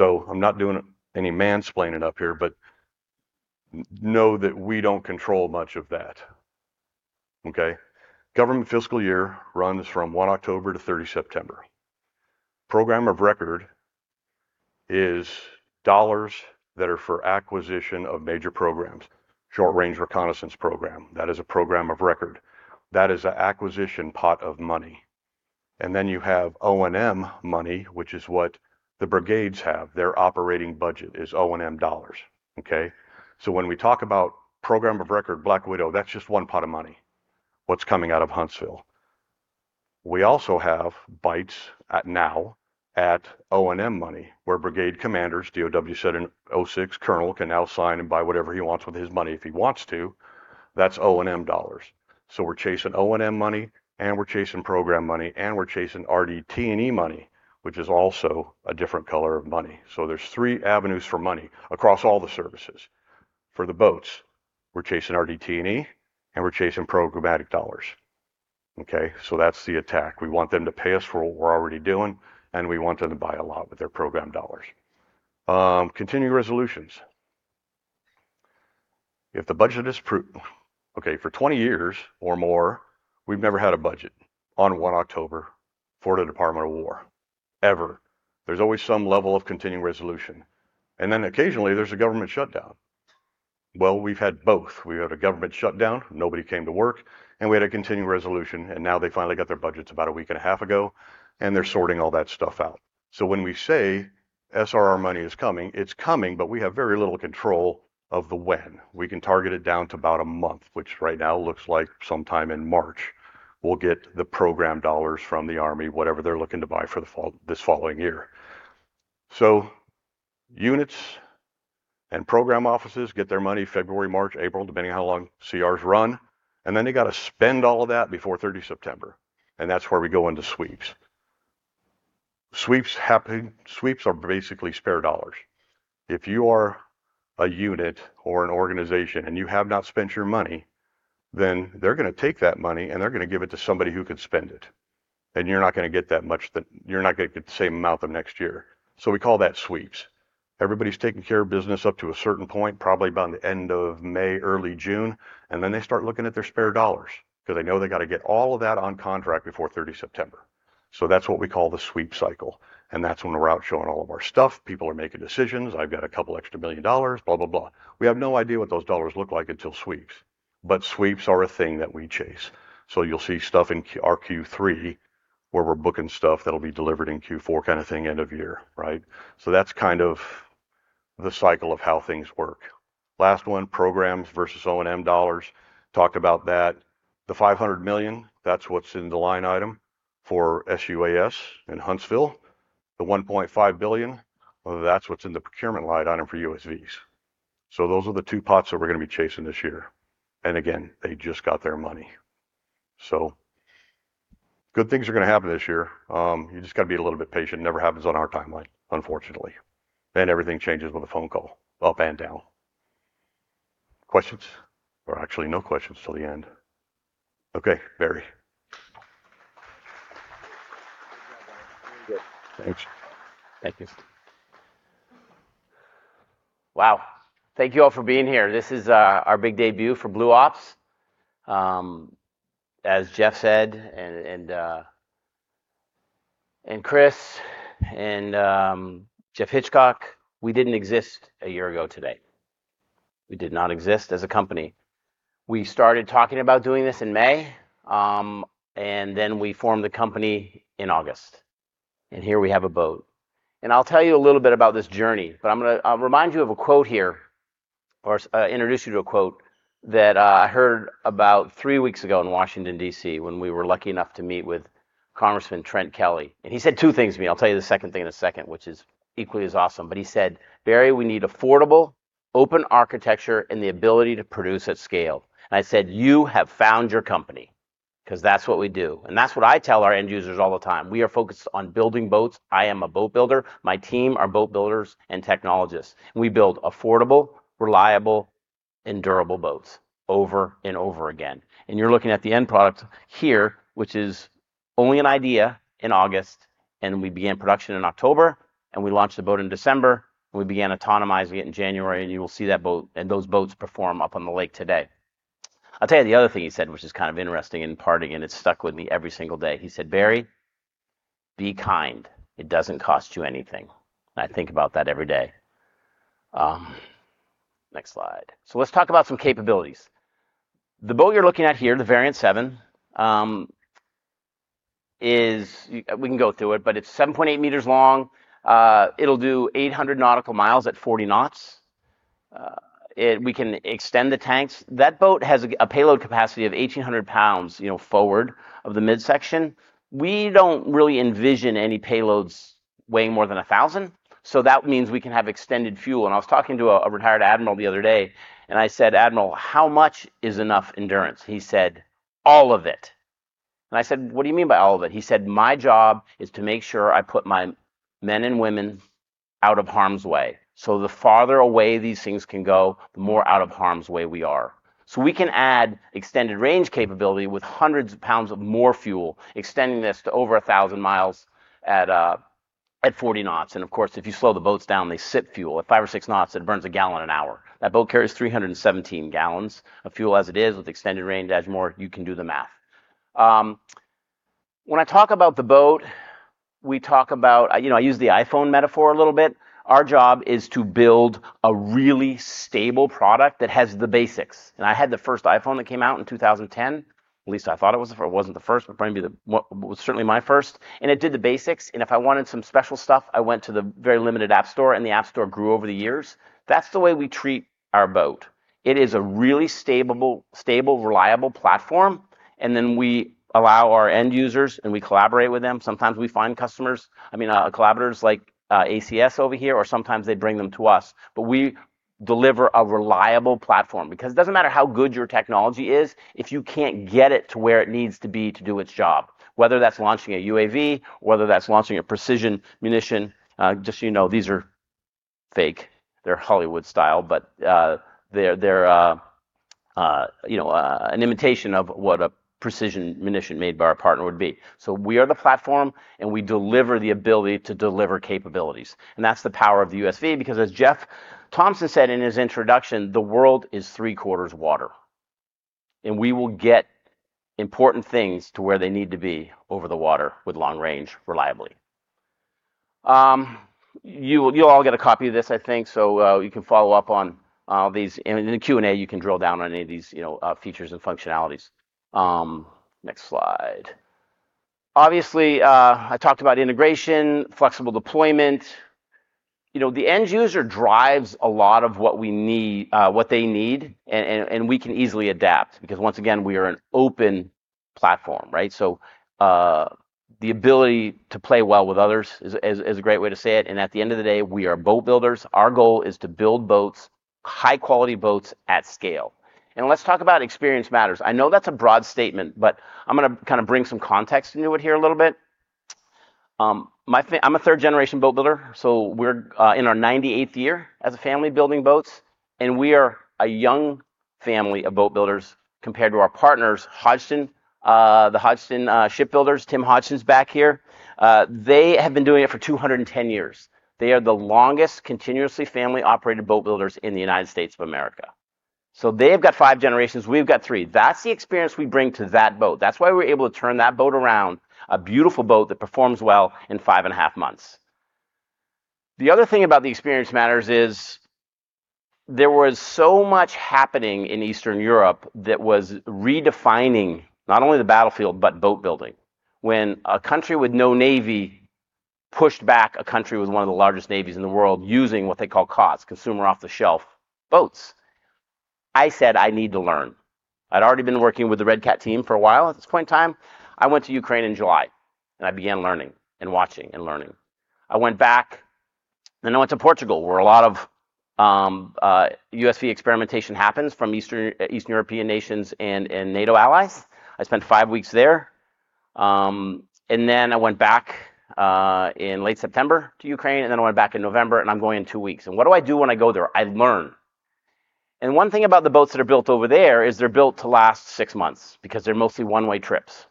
Speaker 4: I'm not doing any mansplaining up here, but know that we don't control much of that, okay? Government fiscal year runs from 1 October to 30 September. Program of Record is dollars that are for acquisition of major programs. Short Range Reconnaissance program, that is a program of record. That is a acquisition pot of money. You have O&M money, which is what the brigades have. Their operating budget is O&M dollars, okay? When we talk about program of record, Black Widow, that's just one pot of money, what's coming out of Huntsville. We also have bites at now, at O&M money, where brigade commanders, DOW said an O-6 colonel, can now sign and buy whatever he wants with his money if he wants to. That's O&M dollars. We're chasing O&M money, and we're chasing program money, and we're chasing RDT&E money, which is also a different color of money. There's three avenues for money across all the services. For the boats, we're chasing RDT&E, and we're chasing programmatic dollars, okay? That's the attack. We want them to pay us for what we're already doing, and we want them to buy a lot with their program dollars. Continuing resolutions. If the budget is okay, for 20 years or more, we've never had a budget on 1 October for the Department of War, ever. There's always some level of continuing resolution, and then occasionally, there's a government shutdown. Well, we've had both. We had a government shutdown, nobody came to work, we had a continuing resolution, they finally got their budgets about a week and a half ago, they're sorting all that stuff out. When we say SRR money is coming, it's coming, but we have very little control of the when. We can target it down to about a month, which right now looks like sometime in March, we'll get the program dollars from the Army, whatever they're looking to buy for this following year. Units and program offices get their money February, March, April, depending on how long CRs run, they got to spend all of that before 30 September, that's where we go into sweeps. Sweeps are basically spare dollars. If you are a unit or an organization and you have not spent your money, then they're gonna take that money, and they're gonna give it to somebody who could spend it, and you're not gonna get the same amount the next year. We call that Sweeps. Everybody's taking care of business up to a certain point, probably by the end of May, early June, and then they start looking at their spare dollars because they know they got to get all of that on contract before 30 September. That's what we call the Sweep cycle, and that's when we're out showing all of our stuff. People are making decisions. "I've got a couple extra million dollars," blah, blah. We have no idea what those dollars look like until Sweeps, but Sweeps are a thing that we chase. You'll see stuff in our Q3, where we're booking stuff that'll be delivered in Q4 kind of thing, end of year, right? That's kind of the cycle of how things work. Last one, programs versus O&M dollars. Talked about that. The $500 million, that's what's in the line item for SUAS in Huntsville. The $1.5 billion, well, that's what's in the procurement line item for USVs. Those are the two pots that we're gonna be chasing this year, and again, they just got their money. Good things are gonna happen this year. You just gotta be a little bit patient. Never happens on our timeline, unfortunately, and everything changes with a phone call, up and down. Questions? Actually no questions till the end. Okay, Barry.
Speaker 5: Good job, guys.
Speaker 4: Thanks.
Speaker 5: Thank you. Wow! Thank you all for being here. This is our big debut for Blue Ops. As Jeff said, and Chris and Geoff Hitchcock, we didn't exist a year ago today. We did not exist as a company. We started talking about doing this in May, and then we formed the company in August, and here we have a boat. I'll tell you a little bit about this journey, but I'll remind you of a quote here or so, introduce you to a quote that I heard about three weeks ago in Washington, D.C., when we were lucky enough to meet with Congressman Trent Kelly. He said two things to me. I'll tell you the second thing in one second, which is equally as awesome. He said, "Barry, we need affordable, open architecture, and the ability to produce at scale." I said, "You have found your company," 'cause that's what we do. That's what I tell our end users all the time. We are focused on building boats. I am a boat builder. My team are boat builders and technologists, and we build affordable, reliable, and durable boats over and over again. You're looking at the end product here, which is only an idea in August, and we began production in October, and we launched the boat in December, and we began autonomizing it in January, and you will see that boat and those boats perform up on the lake today. I'll tell you the other thing he said, which is kind of interesting and parting, and it's stuck with me every single day. He said, "Barry, be kind. It doesn't cost you anything." I think about that every day. Next slide. Let's talk about some capabilities. The boat you're looking at here, the Variant 7, it's 7.8 meters long. It'll do 800 nautical miles at 40 knots. We can extend the tanks. That boat has a payload capacity of 1,800 pounds, you know, forward of the midsection. We don't really envision any payloads weighing more than 1,000, that means we can have extended fuel. I was talking to a retired admiral the other day, and I said, "Admiral, how much is enough endurance?" He said, "All of it." I said, "What do you mean by all of it?" He said, "My job is to make sure I put my men and women out of harm's way, so the farther away these things can go, the more out of harm's way we are." We can add extended range capability with hundreds of pounds of more fuel, extending this to over 1,000 miles at 40 knots. Of course, if you slow the boats down, they sip fuel. At five or six knots, it burns a gallon an hour. That boat carries 317 gallons of fuel as it is. With extended range, it adds more. You can do the math. When I talk about the boat, we talk about. You know, I use the iPhone metaphor a little bit. Our job is to build a really stable product that has the basics. I had the first iPhone that came out in 2010. At least I thought it was the first. It wasn't the first, but probably well, it was certainly my first, and it did the basics, and if I wanted some special stuff, I went to the very limited App Store, and the App Store grew over the years. That's the way we treat our boat. It is a really stable, reliable platform, and then we allow our end users, and we collaborate with them. Sometimes we find I mean, collaborators like ACS over here, or sometimes they bring them to us. We deliver a reliable platform because it doesn't matter how good your technology is if you can't get it to where it needs to be to do its job, whether that's launching a UAV, whether that's launching a precision munition. Just so you know, these are fake. They're Hollywood style, but they're, you know, an imitation of what a precision munition made by our partner would be. We are the platform, and we deliver the ability to deliver capabilities, and that's the power of the USV because as Jeff Thompson said in his introduction, the world is three-quarters water. We will get important things to where they need to be over the water with long range reliably. You'll all get a copy of this, I think, so you can follow up on these. In the Q&A, you can drill down on any of these, you know, features and functionalities. Next slide. Obviously, I talked about integration, flexible deployment. You know, the end user drives a lot of what we need, what they need, and we can easily adapt because once again, we are an open platform, right? The ability to play well with others is a great way to say it, and at the end of the day, we are boat builders. Our goal is to build boats, high-quality boats, at scale. Let's talk about experience matters. I know that's a broad statement, but I'm gonna kind of bring some context into it here a little bit. I'm a third-generation boat builder, so we're in our 98th year as a family building boats, and we are a young family of boat builders compared to our partners, Hodgson, the Hodgson shipbuilders. Tim Hodgson's back here. They have been doing it for 210 years. They are the longest continuously family-operated boat builders in the United States of America. They've got five generations, we've got three. That's the experience we bring to that boat. That's why we're able to turn that boat around, a beautiful boat that performs well, in five and a half months. The other thing about the experience matters is there was so much happening in Eastern Europe that was redefining not only the battlefield, but boat building. When a country with no navy pushed back a country with one of the largest navies in the world using what they call COTS, consumer off-the-shelf boats, I said I need to learn. I'd already been working with the Red Cat team for a while at this point in time. I went to Ukraine in July, and I began learning and watching and learning. I went back, then I went to Portugal, where a lot of USV experimentation happens from Eastern, East European nations and NATO allies. I spent five weeks there, and then I went back in late September to Ukraine, and then I went back in November, and I'm going in two weeks. What do I do when I go there? I learn. One thing about the boats that are built over there is they're built to last six months because they're mostly one-way trips.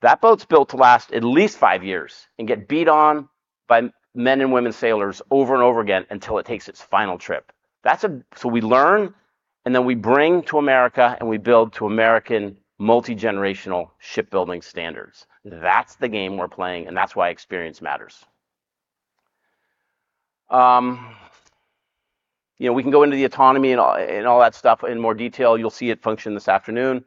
Speaker 5: That boat's built to last at least five years and get beat on by men and women sailors over and over again until it takes its final trip. We learn, and then we bring to America, and we build to American multi-generational shipbuilding standards. That's the game we're playing, and that's why experience matters. You know, we can go into the autonomy and all that stuff in more detail. You'll see it function this afternoon.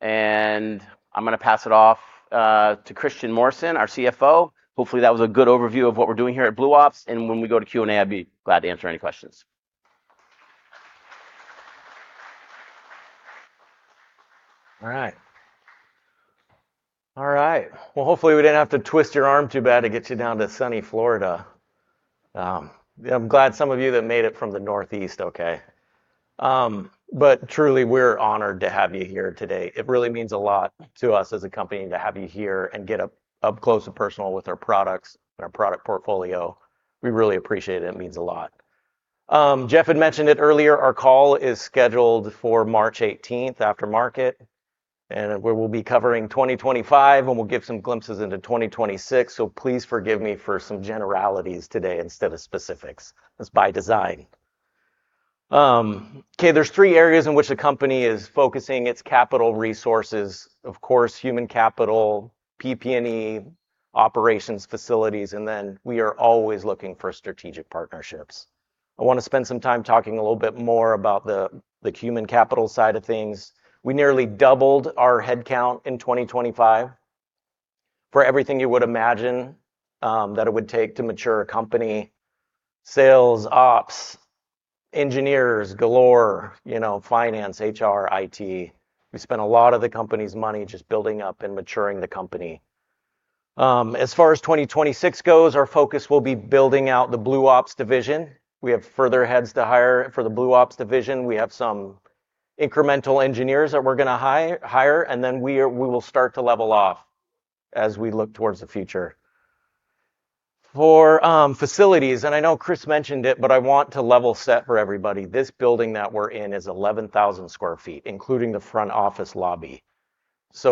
Speaker 5: I'm going to pass it off to Christian Morrison, our CFO. Hopefully, that was a good overview of what we're doing here at Blue Ops, and when we go to Q&A, I'd be glad to answer any questions.
Speaker 6: All right. All right, well, hopefully, we didn't have to twist your arm too bad to get you down to sunny Florida. I'm glad some of you that made it from the Northeast okay. Truly, we're honored to have you here today. It really means a lot to us as a company to have you here and get up close and personal with our products and our product portfolio. We really appreciate it. It means a lot. Jeff had mentioned it earlier, our call is scheduled for March 18th, after market, and where we'll be covering 2025, and we'll give some glimpses into 2026. Please forgive me for some generalities today instead of specifics. It's by design. Okay, there's three areas in which the company is focusing its capital resources: of course, human capital, PP&E, operations, facilities, and then we are always looking for strategic partnerships. I want to spend some time talking a little bit more about the human capital side of things. We nearly doubled our headcount in 2025. For everything you would imagine that it would take to mature a company, sales, ops, engineers galore, you know, finance, HR, IT. We spent a lot of the company's money just building up and maturing the company. As far as 2026 goes, our focus will be building out the Blue Ops division. We have further heads to hire for the Blue Ops division. We have some incremental engineers that we're going to hire, and then we will start to level off as we look towards the future. Facilities, and I know Chris mentioned it, but I want to level set for everybody. This building that we're in is 11,000 sq ft, including the front office lobby.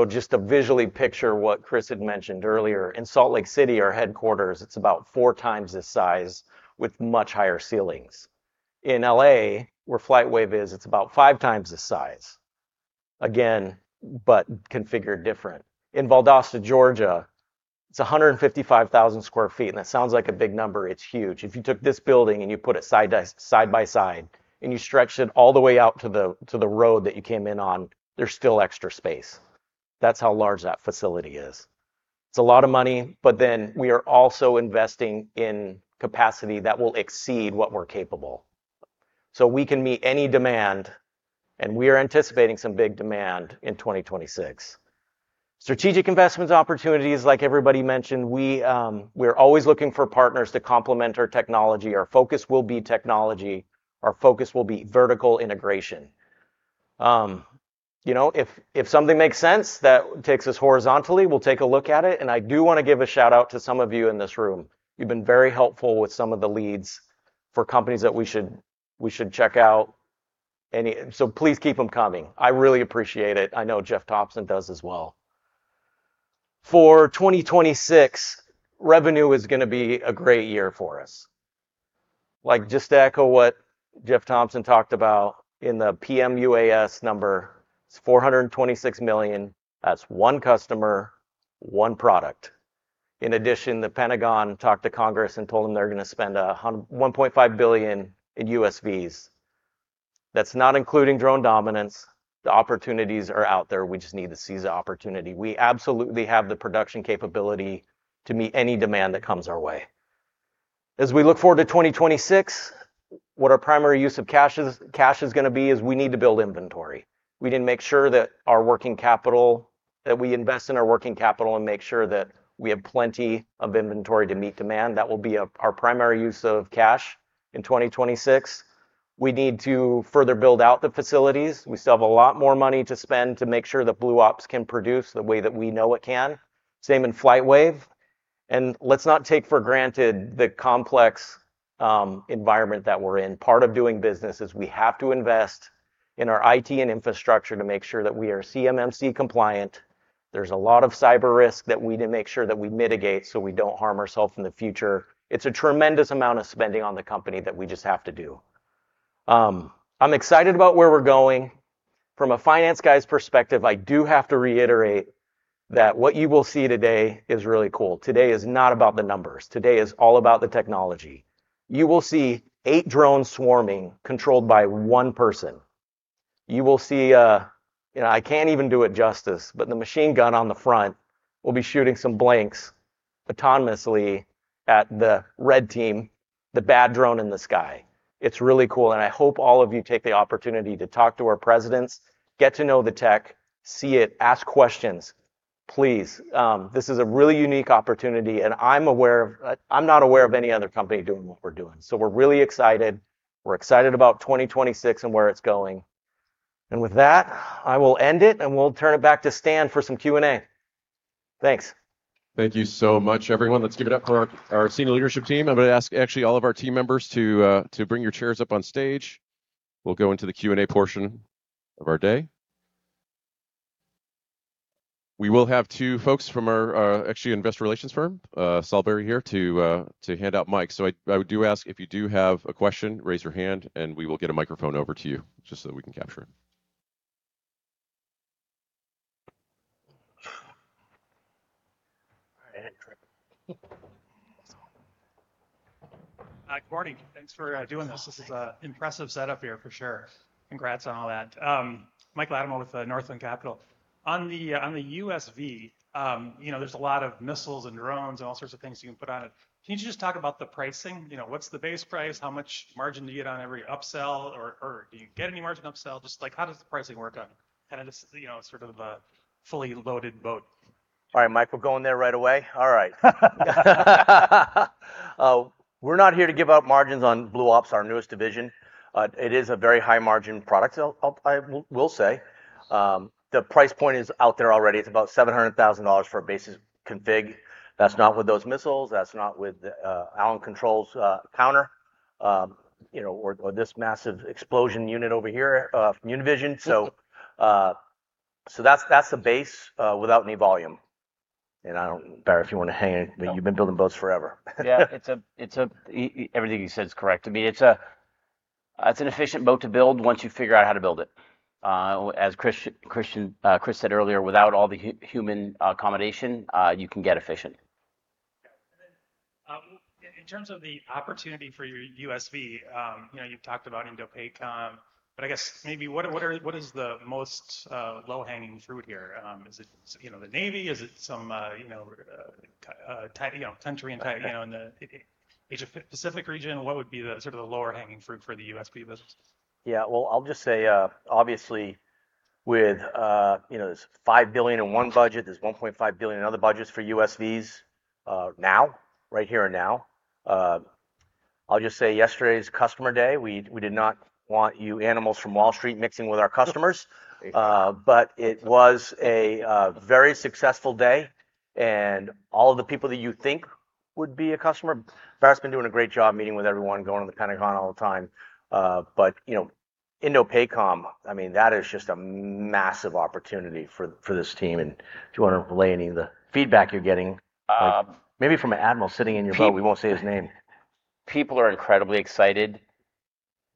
Speaker 6: Just to visually picture what Chris had mentioned earlier, in Salt Lake City, our headquarters, it's about 4x this size with much higher ceilings. In L.A., where FlightWave is, it's about 5x this size. Again, but configured different. In Valdosta, Georgia, it's 155,000 sq ft, and that sounds like a big number. It's huge. If you took this building and you put it side by side, and you stretched it all the way out to the road that you came in on, there's still extra space. That's how large that facility is. It's a lot of money, we are also investing in capacity that will exceed what we're capable. We can meet any demand, we are anticipating some big demand in 2026. Strategic investments opportunities, like everybody mentioned, we're always looking for partners to complement our technology. Our focus will be technology. Our focus will be vertical integration. You know, if something makes sense that takes us horizontally, we'll take a look at it, I do want to give a shout-out to some of you in this room. You've been very helpful with some of the leads for companies that we should check out, please keep them coming. I really appreciate it. I know Jeff Thompson does as well. For 2026, revenue is going to be a great year for us. Like, just to echo what Jeff Thompson talked about in the PMUAS number, it's $426 million. That's one customer, one product. The Pentagon talked to Congress and told them they're going to spend $1.5 billion in USVs. That's not including Drone Dominance. The opportunities are out there. We just need to seize the opportunity. We absolutely have the production capability to meet any demand that comes our way. As we look forward to 2026, what our primary use of cash is going to be, is we need to build inventory. We need to make sure that we invest in our working capital and make sure that we have plenty of inventory to meet demand. That will be our primary use of cash in 2026. We need to further build out the facilities. We still have a lot more money to spend to make sure that Blue Ops can produce the way that we know it can. Same in FlightWave, let's not take for granted the complex environment that we're in. Part of doing business is we have to invest in our IT and infrastructure to make sure that we are CMMC compliant. There's a lot of cyber risk that we need to make sure that we mitigate so we don't harm ourself in the future. It's a tremendous amount of spending on the company that we just have to do. I'm excited about where we're going. From a finance guy's perspective, I do have to reiterate that what you will see today is really cool. Today is not about the numbers. Today is all about the technology. You will see eight drones swarming, controlled by one person. You will see, you know, I can't even do it justice, but the machine gun on the front will be shooting some blanks autonomously at the red team, the bad drone in the sky. It's really cool, and I hope all of you take the opportunity to talk to our presidents, get to know the tech, see it, ask questions. Please, this is a really unique opportunity, and I'm not aware of any other company doing what we're doing. We're really excited. We're excited about 2026 and where it's going. With that, I will end it, and we'll turn it back to Stan for some Q&A. Thanks.
Speaker 1: Thank you so much, everyone. Let's give it up for our senior leadership team. I'm going to ask actually all of our team members to bring your chairs up on stage. We'll go into the Q&A portion of our day. We will have two folks from our actually investor relations firm, Salisbury, here to hand out mics. I do ask if you do have a question, raise your hand, and we will get a microphone over to you, just so that we can capture it.
Speaker 2: I hit trip.
Speaker 7: Good morning. Thanks for doing this. This is a impressive setup here, for sure. Congrats on all that. Mike Latimore with Northland Capital. On the USV, you know, there's a lot of missiles and drones and all sorts of things you can put on it. Can you just talk about the pricing? You know, what's the base price? How much margin do you get on every upsell, or do you get any margin upsell? Just like, how does the pricing work on it? Kind of just, you know, sort of a fully loaded boat.
Speaker 2: All right, Mike, we're going there right away? All right. We're not here to give out margins on Blue Ops, our newest division. It is a very high margin product, I will say. The price point is out there already. It's about $700,000 for a basic config. That's not with those missiles, that's not with the Allen Controls counter, you know, or this massive explosion unit over here from UVision. That's the base without any volume. Barry, if you want to hang in, you've been building boats forever.
Speaker 5: It's a, everything he said is correct. To me, it's a, it's an efficient boat to build once you figure out how to build it. As Chris, Christian, Chris said earlier, without all the human accommodation, you can get efficient.
Speaker 7: Yeah. Then, in terms of the opportunity for your USV, you know, you've talked about INDOPACOM, I guess maybe what is the most low-hanging fruit here? Is it, you know, the Navy? Is it some, you know, country, you know, in the Asia Pacific region? What would be the sort of the lower hanging fruit for the USV business?
Speaker 2: Yeah, well, I'll just say, obviously, with, you know, there's $5 billion in one budget, there's $1.5 billion in other budgets for USVs, now, right here and now. I'll just say yesterday's customer day, we did not want you animals from Wall Street mixing with our customers. But it was a very successful day, and all of the people that you think would be a customer. Barrett's been doing a great job meeting with everyone, going to the Pentagon all the time. But, you know, INDOPACOM, I mean, that is just a massive opportunity for this team. If you want to relay any of the feedback you're getting, maybe from an admiral sitting in your boat, we won't say his name.
Speaker 5: People are incredibly excited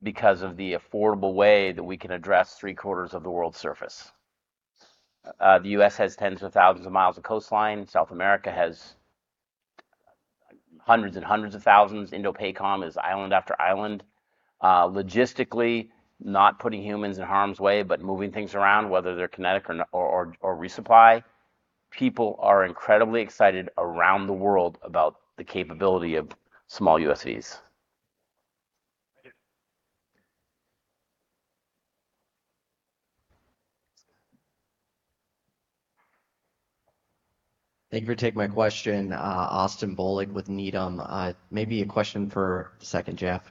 Speaker 5: because of the affordable way that we can address three quarters of the world's surface. The U.S. has 10s of thousands of miles of coastline. South America has 100s of thousands. INDOPACOM is island after island. Logistically, not putting humans in harm's way, but moving things around, whether they're kinetic or resupply, people are incredibly excited around the world about the capability of small USVs.
Speaker 7: Thank you.
Speaker 8: Thank you for taking my question. Austin Bohlig with Needham. Maybe a question for second Jeff.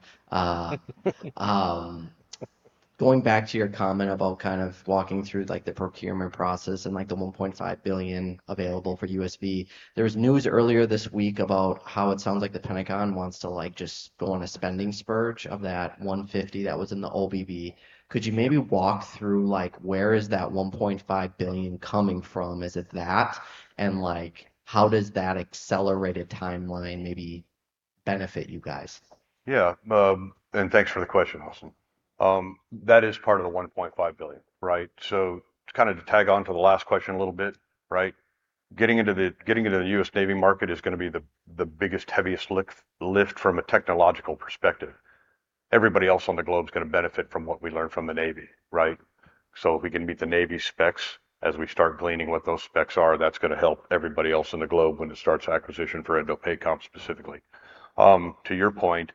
Speaker 8: Going back to your comment about kind of walking through, like, the procurement process and, like, the $1.5 billion available for USV, there was news earlier this week about how it sounds like the Pentagon wants to, like, just go on a spending spurge of that $150 that was in the OBB. Could you maybe walk through, like, where is that $1.5 billion coming from? Is it that? Like, how does that accelerated timeline maybe benefit you guys?
Speaker 4: Thanks for the question, Austin. That is part of the $1.5 billion, right? To kind of to tag on to the last question a little bit, right? Getting into the U.S. Navy market is gonna be the biggest, heaviest lift from a technological perspective. Everybody else on the globe is gonna benefit from what we learn from the Navy, right? If we can meet the Navy specs, as we start gleaning what those specs are, that's gonna help everybody else in the globe when it starts acquisition for INDOPACOM, specifically. To your point,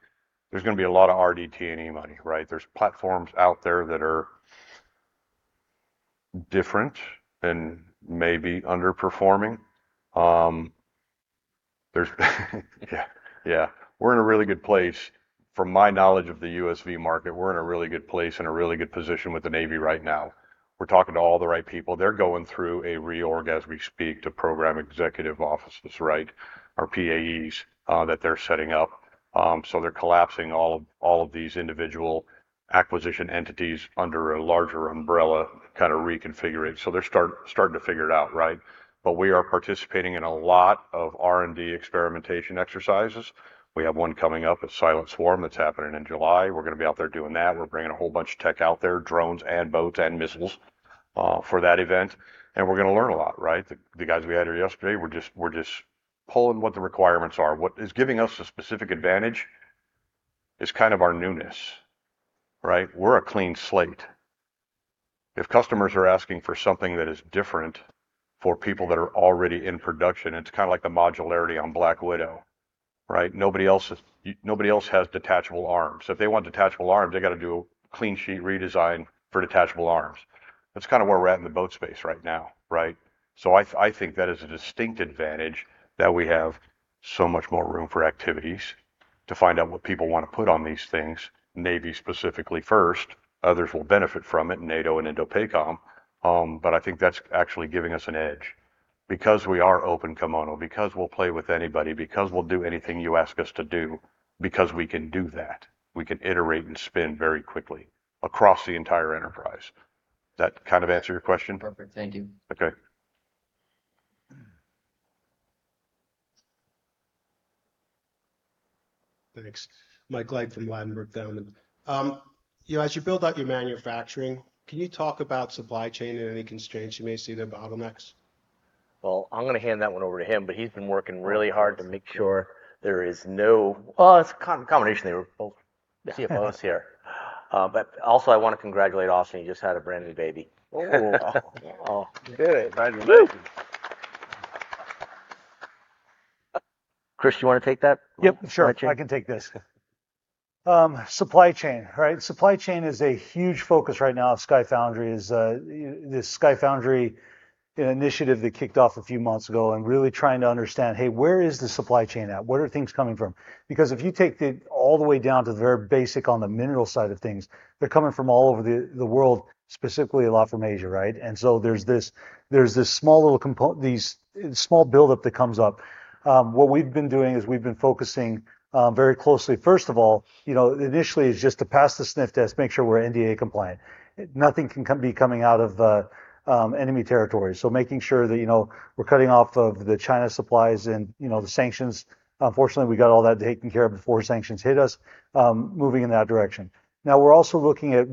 Speaker 4: there's gonna be a lot of RDT&E money, right? There's platforms out there that are different and maybe underperforming. There's... yeah, we're in a really good place. From my knowledge of the USV market, we're in a really good place and a really good position with the Navy right now. We're talking to all the right people. They're going through a reorg, as we speak, to Program Executive Offices, right, or PEOs, that they're setting up. They're collapsing all of these individual acquisition entities under a larger umbrella, kind of reconfiguring. They're starting to figure it out, right? We are participating in a lot of R&D experimentation exercises. We have one coming up, a Silent Swarm, that's happening in July. We're gonna be out there doing that. We're bringing a whole bunch of tech out there, drones and boats and missiles, for that event, and we're gonna learn a lot, right? The guys we had here yesterday, we're just pulling what the requirements are. What is giving us a specific advantage is kind of our newness, right? We're a clean slate. If customers are asking for something that is different for people that are already in production, it's kind of like the modularity on Black Widow, right? Nobody else has detachable arms. If they want detachable arms, they got to do a clean sheet redesign for detachable arms. That's kind of where we're at in the boat space right now, right? I think that is a distinct advantage that we have so much more room for activities to find out what people want to put on these things, Navy specifically first, others will benefit from it, NATO and INDOPACOM. I think that's actually giving us an edge because we are open kimono, because we'll play with anybody, because we'll do anything you ask us to do, because we can do that. We can iterate and spin very quickly across the entire enterprise. Does that kind of answer your question?
Speaker 8: Perfect. Thank you.
Speaker 4: Okay.
Speaker 9: Thanks. Mike Glick from Ladenburg Thalmann. You know, as you build out your manufacturing, can you talk about supply chain and any constraints you may see there, bottlenecks?
Speaker 2: Well, I'm gonna hand that one over to him, but he's been working really hard to make sure there is no. Well, it's a combination. They were both.
Speaker 9: Yeah.
Speaker 2: CFOs here. Also, I want to congratulate Austin. He just had a brand-new baby.
Speaker 9: Oh!
Speaker 2: Yeah.
Speaker 9: Oh, good. Congratulations.
Speaker 2: Chris, you want to take that?
Speaker 3: Yep, sure.
Speaker 2: Supply chain.
Speaker 3: I can take this. Supply chain, right? Supply chain is a huge focus right now of SkyFoundry. This SkyFoundry initiative that kicked off a few months ago really trying to understand, hey, where is the supply chain at? Where are things coming from? If you take all the way down to the very basic on the mineral side of things, they're coming from all over the world, specifically a lot from Asia, right? There's this small little these small build-up that comes up. What we've been doing is we've been focusing very closely. First of all, you know, initially, it's just to pass the sniff test, make sure we're NDA compliant. Nothing can come, be coming out of enemy territory. Making sure that, you know, we're cutting off of the China supplies and, you know, the sanctions. Unfortunately, we got all that taken care of before sanctions hit us, moving in that direction. We're also looking at,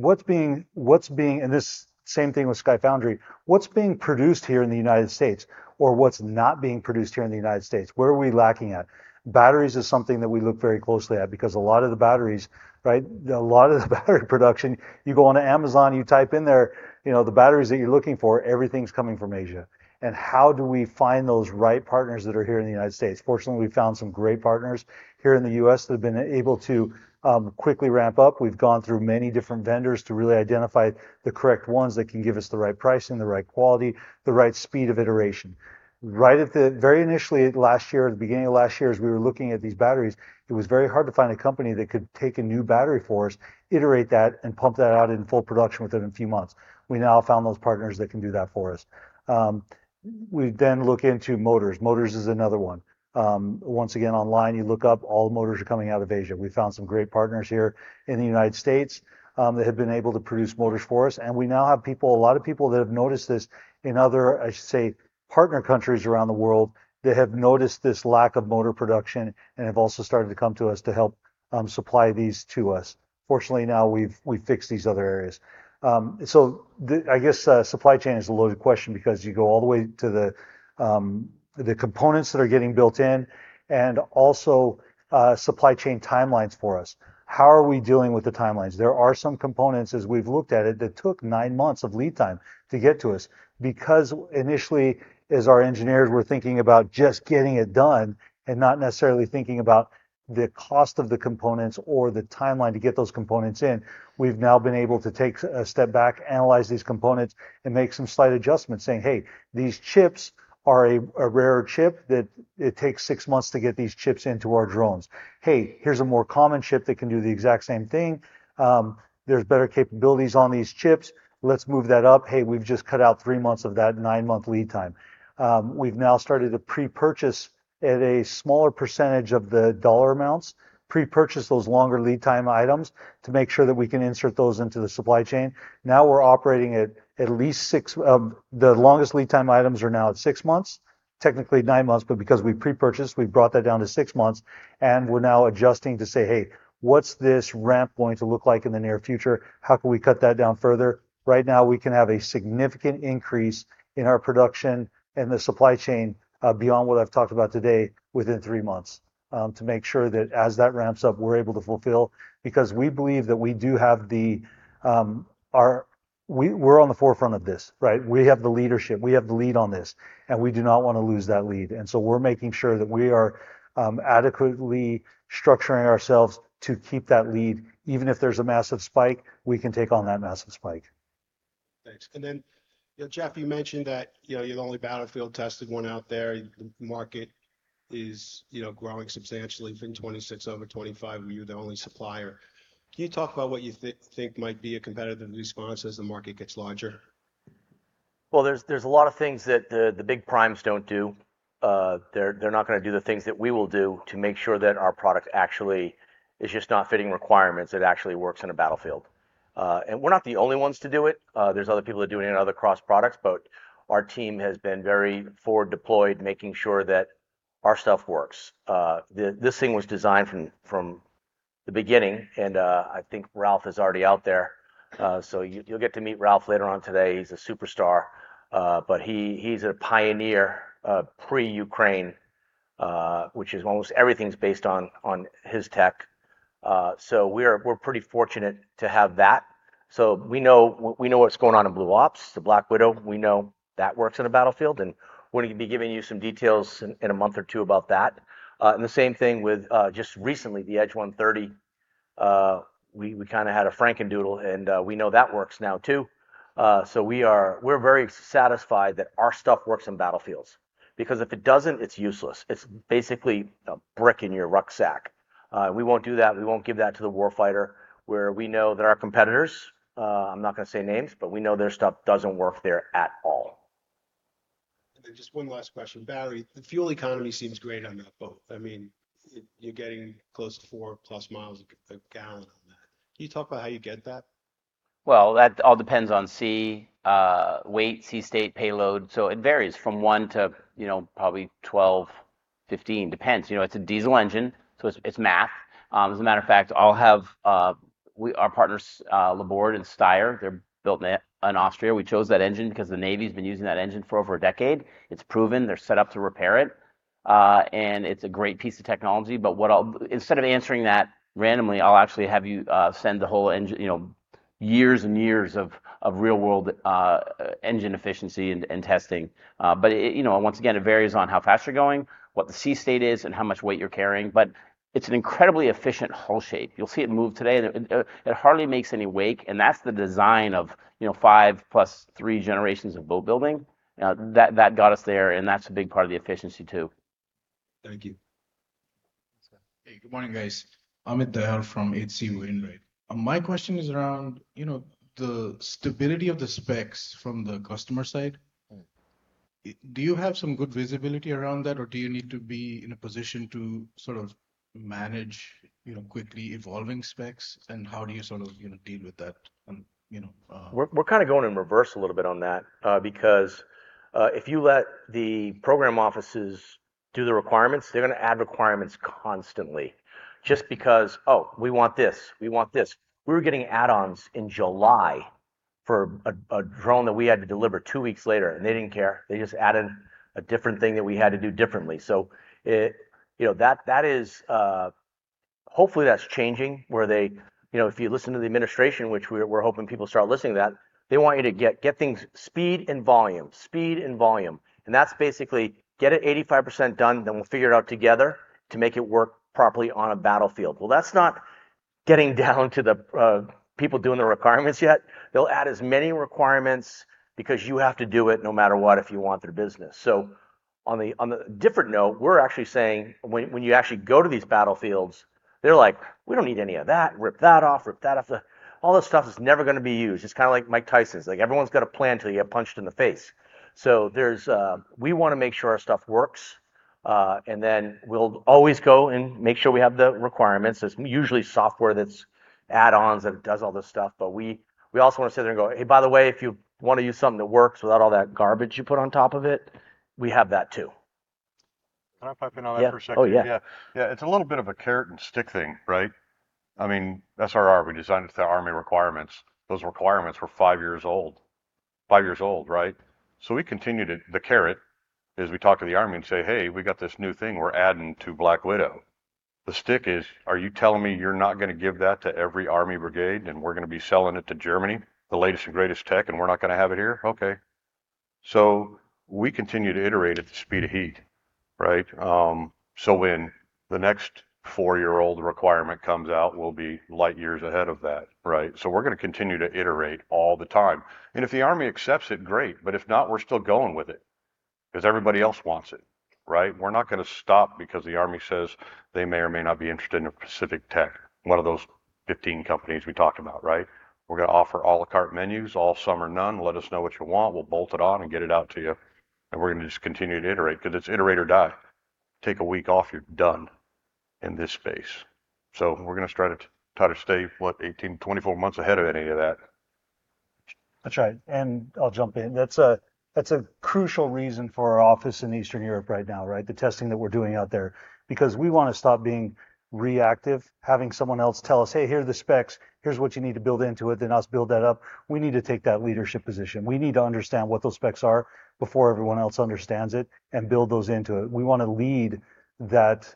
Speaker 3: same thing with SkyFoundry, what's being produced here in the United States or what's not being produced here in the United States? Where are we lacking at? Batteries is something that we look very closely at, because a lot of the batteries, right, a lot of the battery production, you go on to Amazon, you type in there, you know, the batteries that you're looking for, everything's coming from Asia. How do we find those right partners that are here in the United States? Fortunately, we've found some great partners here in the U.S. that have been able to quickly ramp up. We've gone through many different vendors to really identify the correct ones that can give us the right pricing, the right quality, the right speed of iteration. Very initially, last year, at the beginning of last year, as we were looking at these batteries, it was very hard to find a company that could take a new battery for us, iterate that, and pump that out in full production within a few months. We now found those partners that can do that for us. We then look into motors. Motors is another one. Once again, online, you look up, all the motors are coming out of Asia. We found some great partners here in the United States that have been able to produce motors for us. We now have people, a lot of people that have noticed this in other, I should say, partner countries around the world, that have noticed this lack of motor production and have also started to come to us to help supply these to us. Fortunately, now we've fixed these other areas. The, I guess, supply chain is a loaded question because you go all the way to the components that are getting built in and also supply chain timelines for us. How are we dealing with the timelines? There are some components, as we've looked at it, that took nine months of lead time to get to us. Because initially, as our engineers were thinking about just getting it done and not necessarily thinking about the cost of the components or the timeline to get those components in, we've now been able to take a step back, analyze these components, and make some slight adjustments, saying, "Hey, these chips are a rare chip, that it takes six months to get these chips into our drones. Hey, here's a more common chip that can do the exact same thing. There's better capabilities on these chips. Let's move that up. Hey, we've just cut out three months of that nine-month lead time." We've now started to pre-purchase, at a smaller percentage of the dollar amounts, pre-purchase those longer lead time items to make sure that we can insert those into the supply chain. We're operating at least six, the longest lead time items are now at six months, technically nine months, because we pre-purchased, we've brought that down to six months, we're now adjusting to say, "Hey, what's this ramp going to look like in the near future? How can we cut that down further?" Right now, we can have a significant increase in our production and the supply chain, beyond what I've talked about today, within three months, to make sure that as that ramps up, we're able to fulfill. We believe that we do have the, we're on the forefront of this, right? We have the leadership, we have the lead on this, we do not want to lose that lead. We're making sure that we are adequately structuring ourselves to keep that lead. Even if there's a massive spike, we can take on that massive spike.
Speaker 9: Thanks. Then, Jeff Thompson, you mentioned that, you know, you're the only battlefield-tested one out there. The market is, you know, growing substantially, from 2026 over to 2025, and you're the only supplier. Can you talk about what you think might be a competitive response as the market gets larger?
Speaker 2: Well, there's a lot of things that the big primes don't do. They're not gonna do the things that we will do to make sure that our product actually is just not fitting requirements, it actually works in a battlefield. We're not the only ones to do it. There's other people that are doing it in other cross products, but our team has been very forward deployed, making sure that our stuff works. This thing was designed from the beginning, and I think Ralph is already out there. You'll get to meet Ralph later on today. He's a superstar, but he's a pioneer, pre-Ukraine, which is almost everything's based on his tech. We're pretty fortunate to have that. We know what's going on in Blue Ops, the Black Widow, we know that works in a battlefield, and we're going to be giving you some details in a month or two about that. The same thing with just recently, the Edge 130. We kind of had a frankendoodle, and we know that works now too. We're very satisfied that our stuff works in battlefields, because if it doesn't, it's useless. It's basically a brick in your rucksack. We won't do that. We won't give that to the warfighter, where we know that our competitors, I'm not going to say names, but we know their stuff doesn't work there at all.
Speaker 9: Just one last question. Battery, the fuel economy seems great on that boat. I mean, you're getting close to four-plus miles a gallon on that. Can you talk about how you get that?
Speaker 5: Well, that all depends on sea, weight, sea state, payload. It varies from one to, you know, probably 12, 15. Depends. You know, it's a diesel engine, so it's math. As a matter of fact, I'll have our partners, Laborde and Steyr, they're built in Austria. We chose that engine because the Navy's been using that engine for over a decade. It's proven, they're set up to repair it, and it's a great piece of technology. Instead of answering that randomly, I'll actually have you send the whole engine, you know, years and years of real-world engine efficiency and testing. It, you know, once again, it varies on how fast you're going, what the sea state is, and how much weight you're carrying, but it's an incredibly efficient hull shape. You'll see it move today, and, it hardly makes any wake, and that's the design of, you know, five plus three generations of boat building. That got us there, and that's a big part of the efficiency, too.
Speaker 9: Thank you.
Speaker 10: Hey, good morning, guys. Ader from H.C. Wainwright. My question is around, you know, the stability of the specs from the customer side. Do you have some good visibility around that, or do you need to be in a position to sort of manage, you know, quickly evolving specs, and how do you sort of, you know, deal with that on, you know?
Speaker 2: We're kind of going in reverse a little bit on that, because if you let the program offices do the requirements, they're gonna add requirements constantly. Just because, "Oh, we want this, we want this." We were getting add-ons in July for a drone that we had to deliver two weeks later, and they didn't care. They just added a different thing that we had to do differently. You know, that is, hopefully, that's changing, where they, you know, if you listen to the administration, which we're hoping people start listening to that, they want you to get things speed and volume, speed and volume. That's basically get it 85% done, then we'll figure it out together to make it work properly on a battlefield. Well, that's not getting down to the people doing the requirements yet. They'll add as many requirements because you have to do it no matter what, if you want their business. On a different note, we're actually saying, when you actually go to these battlefields, they're like: "We don't need any of that. Rip that off, rip that off the..." All that stuff is never gonna be used. It's kind of like Mike Tyson's. Like, everyone's got a plan till you get punched in the face. We wanna make sure our stuff works, and then we'll always go and make sure we have the requirements. It's usually software that's add-ons, that does all this stuff, but we also wanna sit there and go, "Hey, by the way, if you wanna use something that works without all that garbage you put on top of it, we have that, too.
Speaker 4: Can I pipe in on that for a second?
Speaker 2: Yeah. Oh, yeah.
Speaker 4: Yeah, yeah. It's a little bit of a carrot and stick thing, right? I mean SRR, we designed it to the Army requirements. Those requirements were five years old. Five years old, right? We continued it. The carrot is we talk to the Army and say, "Hey, we got this new thing we're adding to Black Widow." The stick is, "Are you telling me you're not gonna give that to every Army brigade, and we're gonna be selling it to Germany, the latest and greatest tech, and we're not gonna have it here? Okay." We continue to iterate at the speed of heat, right? When the next four-year-old requirement comes out, we'll be light years ahead of that, right? We're gonna continue to iterate all the time. If the Army accepts it, great, but if not, we're still going with it because everybody else wants it, right? We're not gonna stop because the Army says they may or may not be interested in a specific tech, one of those 15 companies we talked about, right? We're gonna offer à la carte menus, all, some, or none. Let us know what you want, we'll bolt it on and get it out to you, and we're gonna just continue to iterate because it's iterate or die. Take a week off, you're done in this space. We're gonna try to stay, what, 18, 24 months ahead of any of that.
Speaker 3: That's right, and I'll jump in. That's a crucial reason for our office in Eastern Europe right now, right? The testing that we're doing out there. We wanna stop being reactive, having someone else tell us: "Hey, here are the specs. Here's what you need to build into it," then us build that up. We need to take that leadership position. We need to understand what those specs are before everyone else understands it and build those into it. We wanna lead that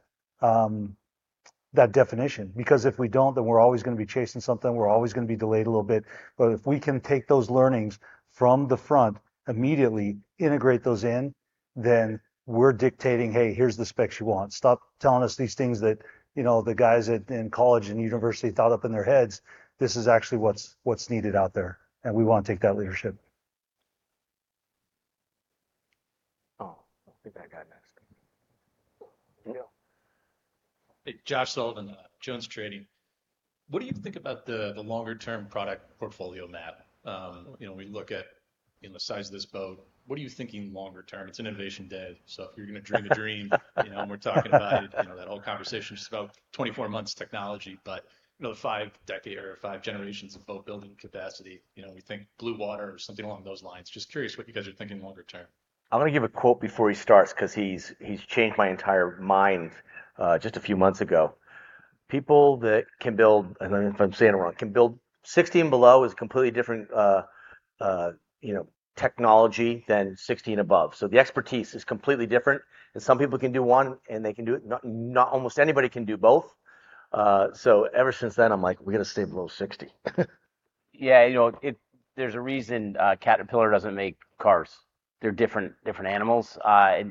Speaker 3: definition, because if we don't, then we're always gonna be chasing something, we're always gonna be delayed a little bit. If we can take those learnings from the front, immediately integrate those in, then we're dictating: "Hey, here's the specs you want. Stop telling us these things that, you know, the guys at, in college and university thought up in their heads. This is actually what's needed out there," and we wanna take that leadership.
Speaker 2: Oh, I think that guy next.
Speaker 11: Hey, Josh Sullivan, Jones Trading. What do you think about the longer term product portfolio map? You know, we look at, you know, the size of this boat. What are you thinking longer term? It's an innovation day, so if you're gonna dream a dream... you know, we're talking about, you know, that whole conversation is just about 24 months technology, but, you know, five-decade or five generations of boat building capacity. You know, we think blue water or something along those lines. Just curious what you guys are thinking longer term.
Speaker 2: I'm gonna give a quote before he starts, 'cause he's changed my entire mind, just a few months ago. People that can build, and if I'm saying it wrong, can build 60 and below is completely different, you know, technology than 60 and above. The expertise is completely different, and some people can do one, and they can do it. Not almost anybody can do both. Ever since then, I'm like, we've got to stay below 60.
Speaker 5: You know, there's a reason Caterpillar doesn't make cars. They're different animals.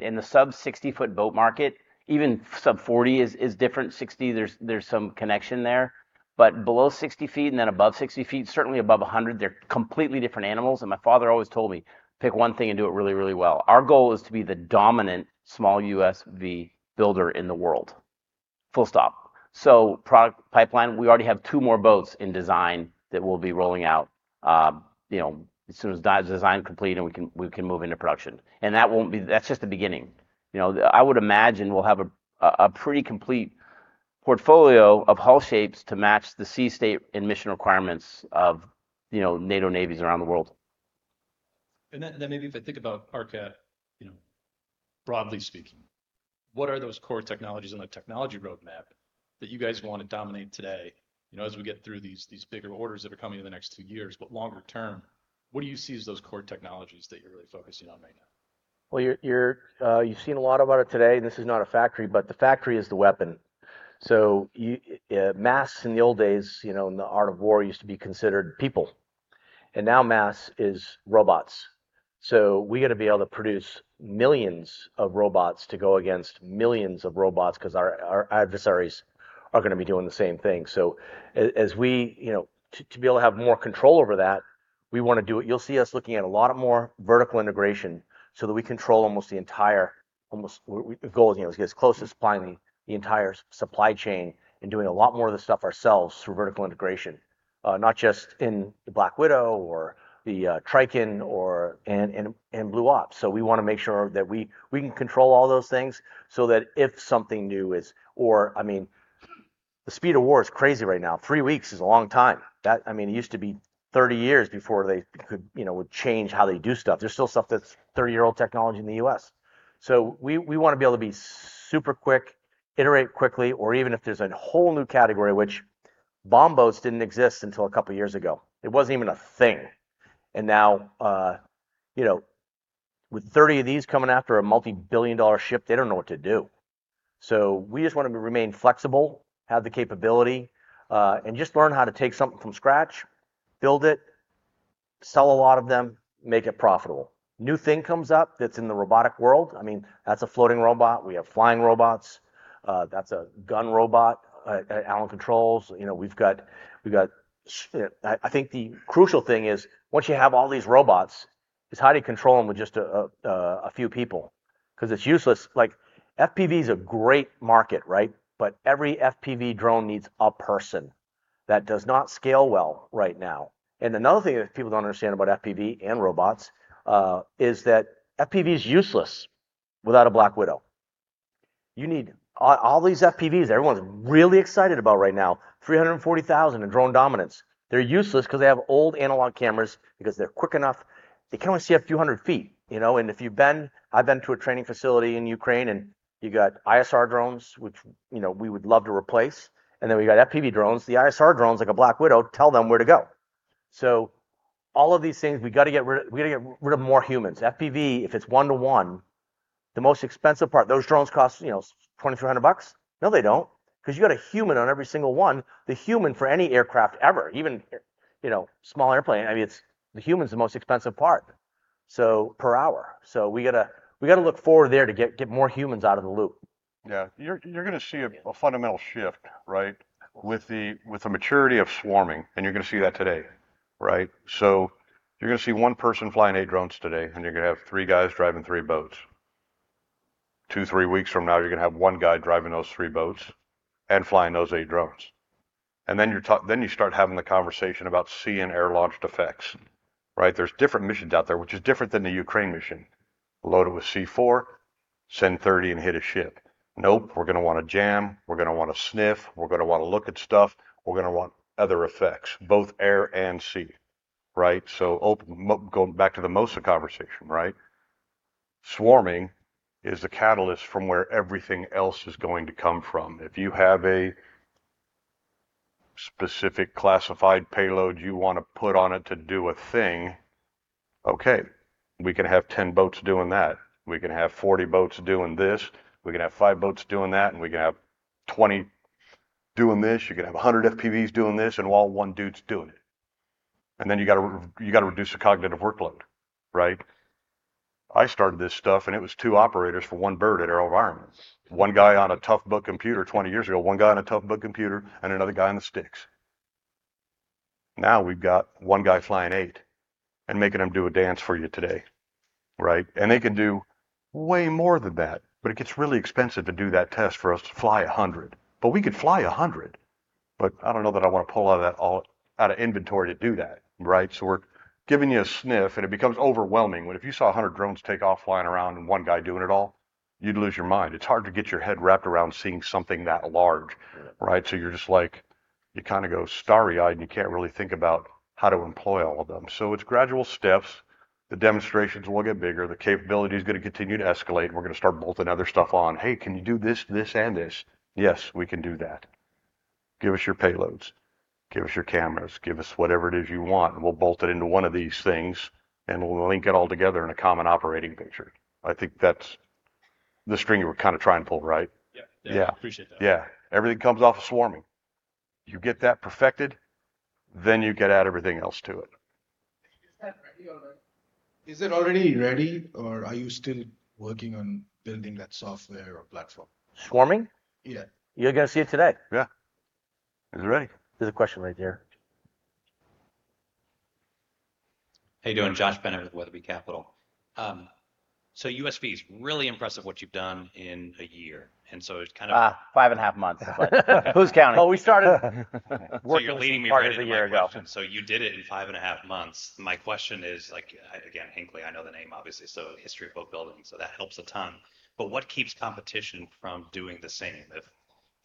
Speaker 5: In the sub 60-foot boat market, even sub 40 is different. 60, there's some connection there, below 60 feet above 60 feet, certainly above 100, they're completely different animals. My father always told me, "Pick one thing and do it really, really well." Our goal is to be the dominant small USV builder in the world. Full stop. Product pipeline, we already have two more boats in design that we'll be rolling out, you know, as soon as that's design complete, and we can move into production. That's just the beginning. You know, I would imagine we'll have a pretty complete-two... portfolio of hull shapes to match the sea state and mission requirements of, you know, NATO navies around the world.
Speaker 11: Then maybe if I think about ARACHNID, you know, broadly speaking, what are those core technologies on the technology roadmap that you guys want to dominate today, you know, as we get through these bigger orders that are coming in the next two years? Longer term, what do you see as those core technologies that you're really focusing on right now?
Speaker 2: Well, you're, you've seen a lot about it today, and this is not a factory, but the factory is the weapon. Mass in the old days, you know, in the art of war, used to be considered people, and now mass is robots. We gotta be able to produce millions of robots to go against millions of robots, 'cause our adversaries are gonna be doing the same thing. As we, you know, to be able to have more control over that, we wanna do it. You'll see us looking at a lot more vertical integration so that we control almost the entire, almost we, the goal is, you know, is get as close as blindly the entire supply chain and doing a lot more of the stuff ourselves through vertical integration. Not just in the Black Widow or the Tricon or Blue Ops. We wanna make sure that we can control all those things so that if something new is, or I mean, the speed of war is crazy right now. Three weeks is a long time. I mean, it used to be 30 years before they could, you know, would change how they do stuff. There's still stuff that's 30-year-old technology in the U.S. We wanna be able to be super quick, iterate quickly, or even if there's a whole new category, which bomb boats didn't exist until a couple of years ago. It wasn't even a thing. Now, you know, with 30 of these coming after a multi-billion dollar ship, they don't know what to do. We just wanna remain flexible, have the capability, and just learn how to take something from scratch, build it, sell a lot of them, make it profitable. New thing comes up that's in the robotic world, I mean, that's a floating robot. We have flying robots. That's a gun robot, Allen Controls. You know, we've got, I think the crucial thing is, once you have all these robots, is how do you control them with just a few people? 'Cause it's useless. Like, FPV is a great market, right? Every FPV drone needs a person. That does not scale well right now. Another thing that people don't understand about FPV and robots, is that FPV is useless without a Black Widow. You need... All these FPVs everyone's really excited about right now, $340,000 in Drone Dominance, they're useless because they have old analog cameras. Because they're quick enough, they can only see a few hundred feet, you know. I've been to a training facility in Ukraine, and you got ISR drones, which, you know, we would love to replace, and then we got FPV drones. The ISR drones, like a Black Widow, tell them where to go. All of these things, we gotta get rid of, we gotta get rid of more humans. FPV, if it's one to one, the most expensive part, those drones cost, you know, $20, $300. No, they don't, 'cause you got a human on every single one. The human for any aircraft ever, even, you know, small airplane, I mean, the human is the most expensive part per hour. We gotta look forward there to get more humans out of the loop.
Speaker 4: You're gonna see a fundamental shift, right, with the maturity of swarming, and you're gonna see that today, right? You're gonna see one person flying eight drones today, and you're gonna have three guys driving three boats. Two, three weeks from now, you're gonna have one guy driving those three boats and flying those eight drones. Then you start having the conversation about sea and air-launched effects. There's different missions out there, which is different than the Ukraine mission. Load it with C4, send 30, hit a ship. We're gonna wanna jam, we're gonna wanna sniff, we're gonna wanna look at stuff, we're gonna want other effects, both air and sea, right? Going back to the MOSA conversation, right? Swarming is the catalyst from where everything else is going to come from. If you have a specific classified payload you want to put on it to do a thing, okay, we can have 10 boats doing that. We can have 40 boats doing this, we can have five boats doing that. We can have 20 doing this. You can have 100 FPVs doing this, and all one dude's doing it. Then you gotta reduce the cognitive workload, right? I started this stuff, it was two operators for one bird at AeroVironment. One guy on a TOUGHBOOK computer 20 years ago, one guy on a TOUGHBOOK computer, another guy on the sticks. Now, we've got one guy flying eight making them do a dance for you today, right? They can do way more than that, it gets really expensive to do that test for us to fly a 100. We could fly 100, but I don't know that I wanna pull out of that all, out of inventory to do that, right? We're giving you a sniff, and it becomes overwhelming. If you saw 100 drones take off, flying around, and one guy doing it all, you'd lose your mind. It's hard to get your head wrapped around seeing something that large.
Speaker 2: Yeah.
Speaker 4: Right? You're just like, you kind of go starry-eyed, and you can't really think about how to employ all of them. It's gradual steps. The demonstrations will get bigger. The capability is gonna continue to escalate, and we're gonna start bolting other stuff on. "Hey, can you do this, and this?" "Yes, we can do that. Give us your payloads, give us your cameras, give us whatever it is you want, and we'll bolt it into one of these things, and we'll link it all together in a common operating picture." I think that's the string you were kind of trying to pull, right?
Speaker 11: Yeah.
Speaker 4: Yeah.
Speaker 11: Appreciate that.
Speaker 4: Yeah. Everything comes off swarming. You get that perfected, then you can add everything else to it.
Speaker 10: Is that ready already? Is it already ready, or are you still working on building that software or platform?
Speaker 2: Swarming?
Speaker 10: Yeah.
Speaker 2: You're gonna see it today.
Speaker 4: Yeah. It's ready.
Speaker 2: There's a question right there.
Speaker 12: How you doing? Josh Bennett with Weatherbie Capital. USV's really impressive, what you've done in a year.
Speaker 2: Five and a half months.
Speaker 4: Who's counting?
Speaker 2: Well, we-
Speaker 12: You're leading me...
Speaker 2: Part of the year, yeah.
Speaker 12: So you did it in five and a half months. My question is, like, again, Hinckley, I know the name, obviously, so history of boat building, so that helps a ton. What keeps competition from doing the same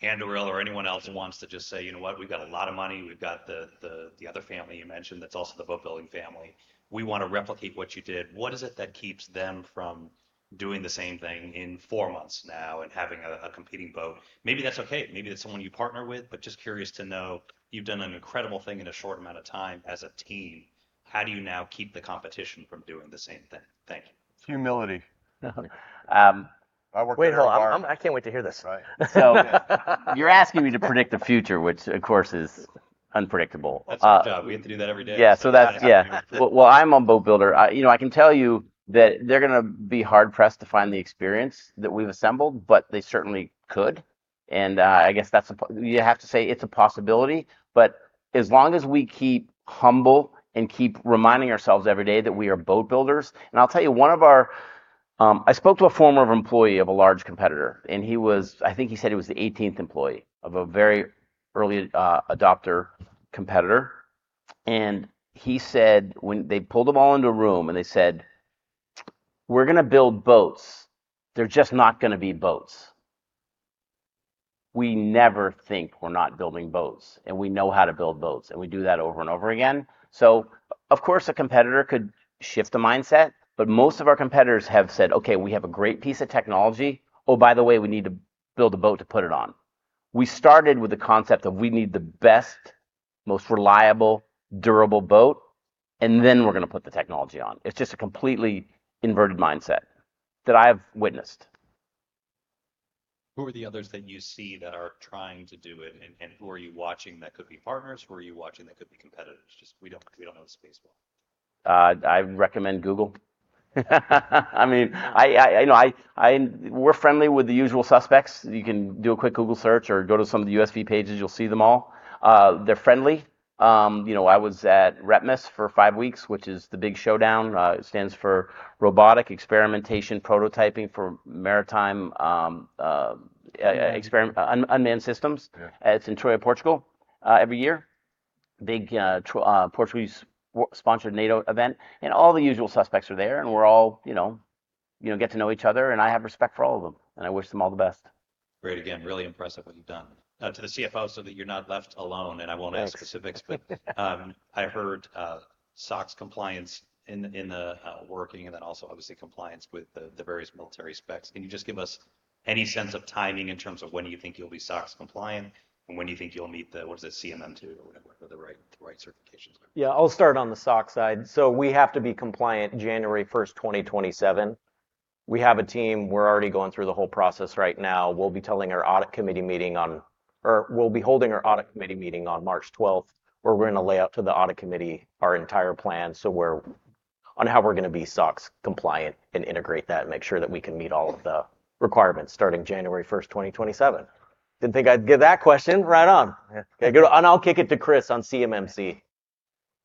Speaker 12: Anduril or anyone else who wants to just say, "You know what? We've got a lot of money. We've got the, the other family you mentioned, that's also the boat-building family. We wanna replicate what you did." What is it that keeps them from doing the same thing in four months now and having a competing boat? Maybe that's okay. Maybe it's someone you partner with, but just curious to know, you've done an incredible thing in a short amount of time as a team. How do you now keep the competition from doing the same thing? Thank you.
Speaker 3: Humility.
Speaker 2: Um-
Speaker 3: I work there.
Speaker 2: Wait, hold on. I can't wait to hear this.
Speaker 3: Right.
Speaker 2: So-
Speaker 3: Yeah....
Speaker 5: you're asking me to predict the future, which, of course, is unpredictable.
Speaker 12: That's our job. We get to do that every day.
Speaker 5: Yeah.
Speaker 12: Got it.
Speaker 5: Yeah. Well, I'm on boatbuilder. You know, I can tell you that they're gonna be hard-pressed to find the experience that we've assembled, but they certainly could, and I guess that's a possibility. You have to say it's a possibility. But as long as we keep humble and keep reminding ourselves every day that we are boat builders. I'll tell you, one of our. I spoke to a former employee of a large competitor, and I think he said he was the eighteenth employee of a very early adopter competitor. He said when they pulled them all into a room, and they said, "We're gonna build boats. They're just not gonna be boats." We never think we're not building boats, and we know how to build boats, and we do that over and over again. Of course, a competitor could shift the mindset, but most of our competitors have said: "Okay, we have a great piece of technology. Oh, by the way, we need to build a boat to put it on." We started with the concept of, We need the best, most reliable, durable boat, and then we're gonna put the technology on. It's just a completely inverted mindset that I've witnessed.
Speaker 12: Who are the others that you see that are trying to do it, and who are you watching that could be partners? Who are you watching that could be competitors? Just we don't know the space well.
Speaker 5: I'd recommend Google. I mean, I know we're friendly with the usual suspects. You can do a quick Google search or go to some of the USV pages, you'll see them all. They're friendly. You know, I was at REPMUS for five weeks, which is the big showdown. It stands for Robotic Experimentation Prototyping for Maritime.
Speaker 12: Yeah...
Speaker 5: experiment, Unmanned Systems.
Speaker 12: Yeah.
Speaker 5: It's in Troia, Portugal, every year. Big Portuguese sponsored NATO event, and all the usual suspects are there, and we're all, you know, you know, get to know each other, and I have respect for all of them, and I wish them all the best.
Speaker 12: Great, again, really impressive, what you've done. Now to the CFO, so that you're not left alone, and I won't ask...
Speaker 6: Thanks....
Speaker 12: specifics, but I heard SOX compliance in the working and then also obviously compliance with the various military specs. Can you just give us any sense of timing in terms of when you think you'll be SOX compliant, and when do you think you'll meet the what is it CMM2 or whatever the right certifications are?
Speaker 6: Yeah, I'll start on the SOX side. We have to be compliant January 1st, 2027. We have a team. We're already going through the whole process right now. We'll be holding our audit committee meeting on March 12th, where we're gonna lay out to the audit committee our entire plan. On how we're gonna be SOX compliant and integrate that and make sure that we can meet all of the requirements starting January 1st, 2027.
Speaker 2: Didn't think I'd get that question. Right on!
Speaker 6: Yeah.
Speaker 2: Yeah, good. I'll kick it to Chris on CMMC.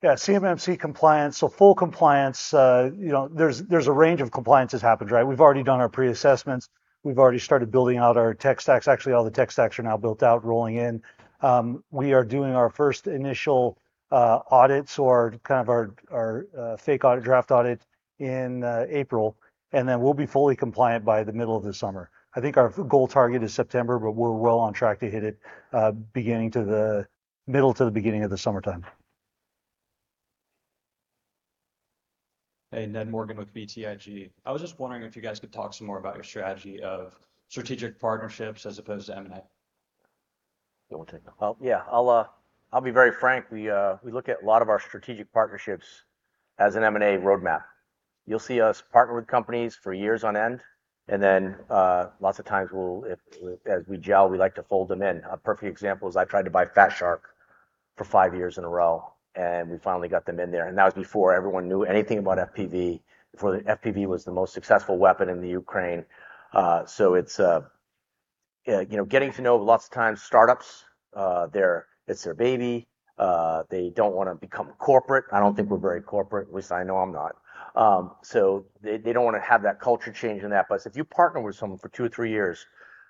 Speaker 3: Yeah, CMMC compliance, full compliance, you know, there's a range of compliance that's happened, right? We've already done our pre-assessments. We've already started building out our tech stacks. Actually, all the tech stacks are now built out, rolling in. We are doing our first initial audits or kind of our fake audit, draft audit in April. We'll be fully compliant by the middle of the summer. I think our goal target is September, we're well on track to hit it, middle to the beginning of the summertime.
Speaker 13: Hey, Ned Morgan with BTIG. I was just wondering if you guys could talk some more about your strategy of strategic partnerships as opposed to M&A?
Speaker 2: You want to take that? Well, yeah, I'll be very frank. We look at a lot of our strategic partnerships as an M&A roadmap. You'll see us partner with companies for years on end, and then lots of times we'll, as we gel, we like to fold them in. A perfect example is I tried to buy Fat Shark for five years in a row, and we finally got them in there, and that was before everyone knew anything about FPV, before the FPV was the most successful weapon in the Ukraine. It's, yeah, you know, getting to know lots of times startups. It's their baby. They don't wanna become corporate. I don't think we're very corporate, at least I know I'm not. They, they don't wanna have that culture change and that place. If you partner with someone for two or three years,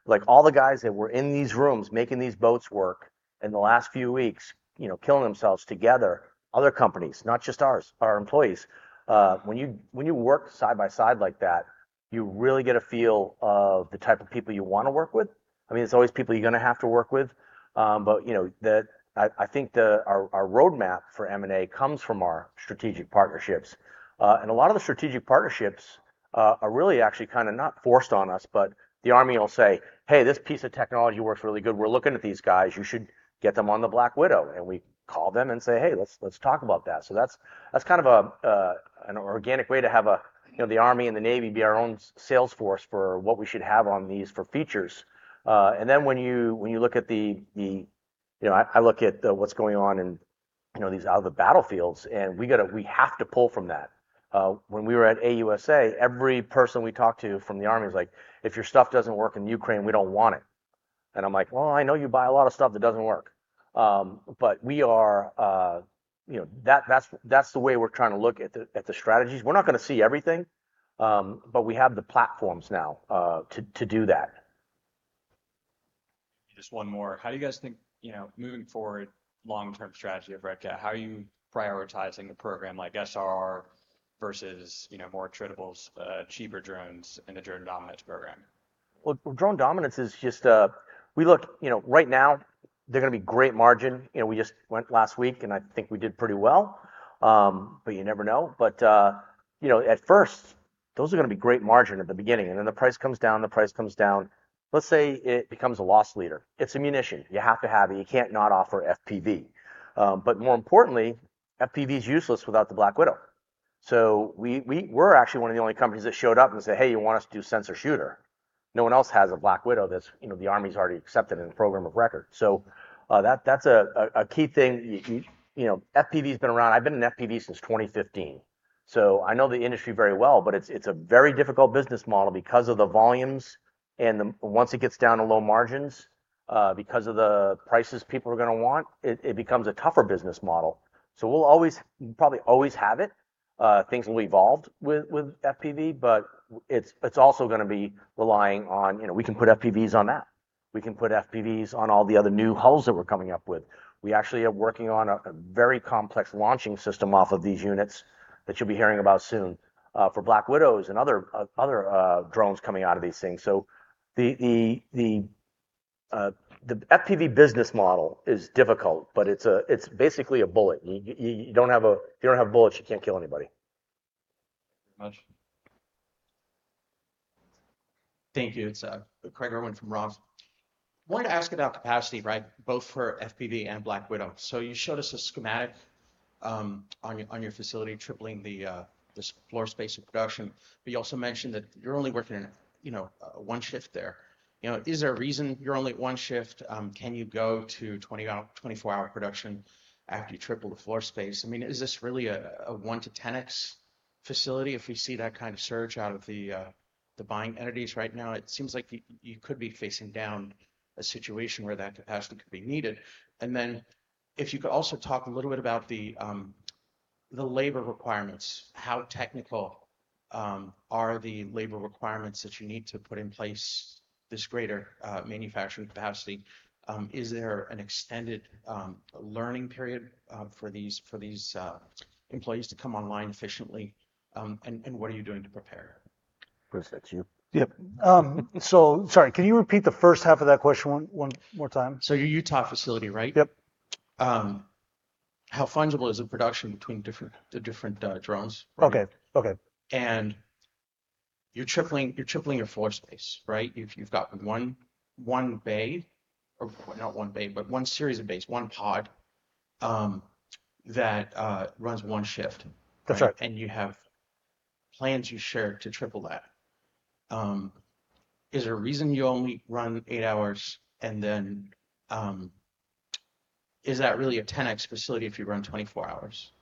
Speaker 2: like all the guys that were in these rooms making these boats work in the last few weeks, you know, killing themselves together, other companies, not just ours, our employees. When you work side by side like that, you really get a feel of the type of people you wanna work with. I mean, it's always people you're gonna have to work with, but, you know, I think our roadmap for M&A comes from our strategic partnerships. A lot of the strategic partnerships are really actually kind of not forced on us, but the Army will say: "Hey, this piece of technology works really good. We're looking at these guys. You should get them on the Black Widow." We call them and say, "Hey, let's talk about that." That's kind of an organic way to have a, you know, the Army and the Navy be our own sales force for what we should have on these for features. Then when you look at, you know, I look at what's going on in, you know, these other battlefields, and we have to pull from that. When we were at AUSA, every person we talked to from the Army was like: "If your stuff doesn't work in Ukraine, we don't want it." I'm like: "Well, I know you buy a lot of stuff that doesn't work." We are, you know, that's, that's the way we're trying to look at the strategies. We're not gonna see everything, we have the platforms now to do that.
Speaker 13: Just one more. How do you guys think, you know, moving forward, long-term strategy of Red Cat, how are you prioritizing a program like SRR versus, you know, more attritables, cheaper drones in the Drone Dominance program?
Speaker 2: Well, Drone Dominance is just, we look, you know, right now, they're gonna be great margin. You know, we just went last week, and I think we did pretty well. You never know. You know, at first, those are gonna be great margin at the beginning, and then the price comes down, the price comes down. Let's say it becomes a loss leader. It's ammunition. You have to have it. You can't not offer FPV. More importantly, FPV is useless without the Black Widow. We're actually one of the only companies that showed up and said, "Hey, you want us to do sensor-to-shooter?" No one else has a Black Widow that's, you know, the Army's already accepted in the Program of Record. That's a key thing. You know, FPV's been around. I've been in FPV since 2015, so I know the industry very well, but it's a very difficult business model because of the volumes. once it gets down to low margins, because of the prices people are gonna want, it becomes a tougher business model. We'll always, probably always have it. things will evolve with FPV, but it's also gonna be relying on, you know, we can put FPVs on that. We can put FPVs on all the other new hulls that we're coming up with. We actually are working on a very complex launching system off of these units that you'll be hearing about soon for Black Widows and other drones coming out of these things. The FPV business model is difficult, but it's basically a bullet. You don't have. If you don't have bullets, you can't kill anybody.
Speaker 13: Thank you very much.
Speaker 14: Thank you. It's Craig Irwin from Roth. Wanted to ask about capacity, right, both for FPV and Black Widow. You showed us a schematic on your facility, tripling the floor space of production. You also mentioned that you're only working in, you know, one shift there. You know, is there a reason you're only one shift? Can you go to 20-hour, 24-hour production after you triple the floor space? I mean, is this really a 1x-10x facility if we see that kind of surge out of the buying entities right now? It seems like you could be facing down a situation where that capacity could be needed. If you could also talk a little bit about the labor requirements, how technical are the labor requirements that you need to put in place this greater manufacturing capacity? Is there an extended learning period for these employees to come online efficiently? What are you doing to prepare?
Speaker 2: Chris, that's you.
Speaker 3: Yep. Sorry, can you repeat the first half of that question one more time?
Speaker 14: Your Utah facility, right?
Speaker 3: Yep.
Speaker 14: How fungible is the production between different, the different, drones?
Speaker 3: Okay. Okay.
Speaker 14: You're tripling your floor space, right? You've got one series of bays, one pod that runs one shift.
Speaker 3: That's right.
Speaker 14: You have plans you shared to triple that. Is there a reason you only run eight hours, and then, is that really a 10x facility if you run 24 hours?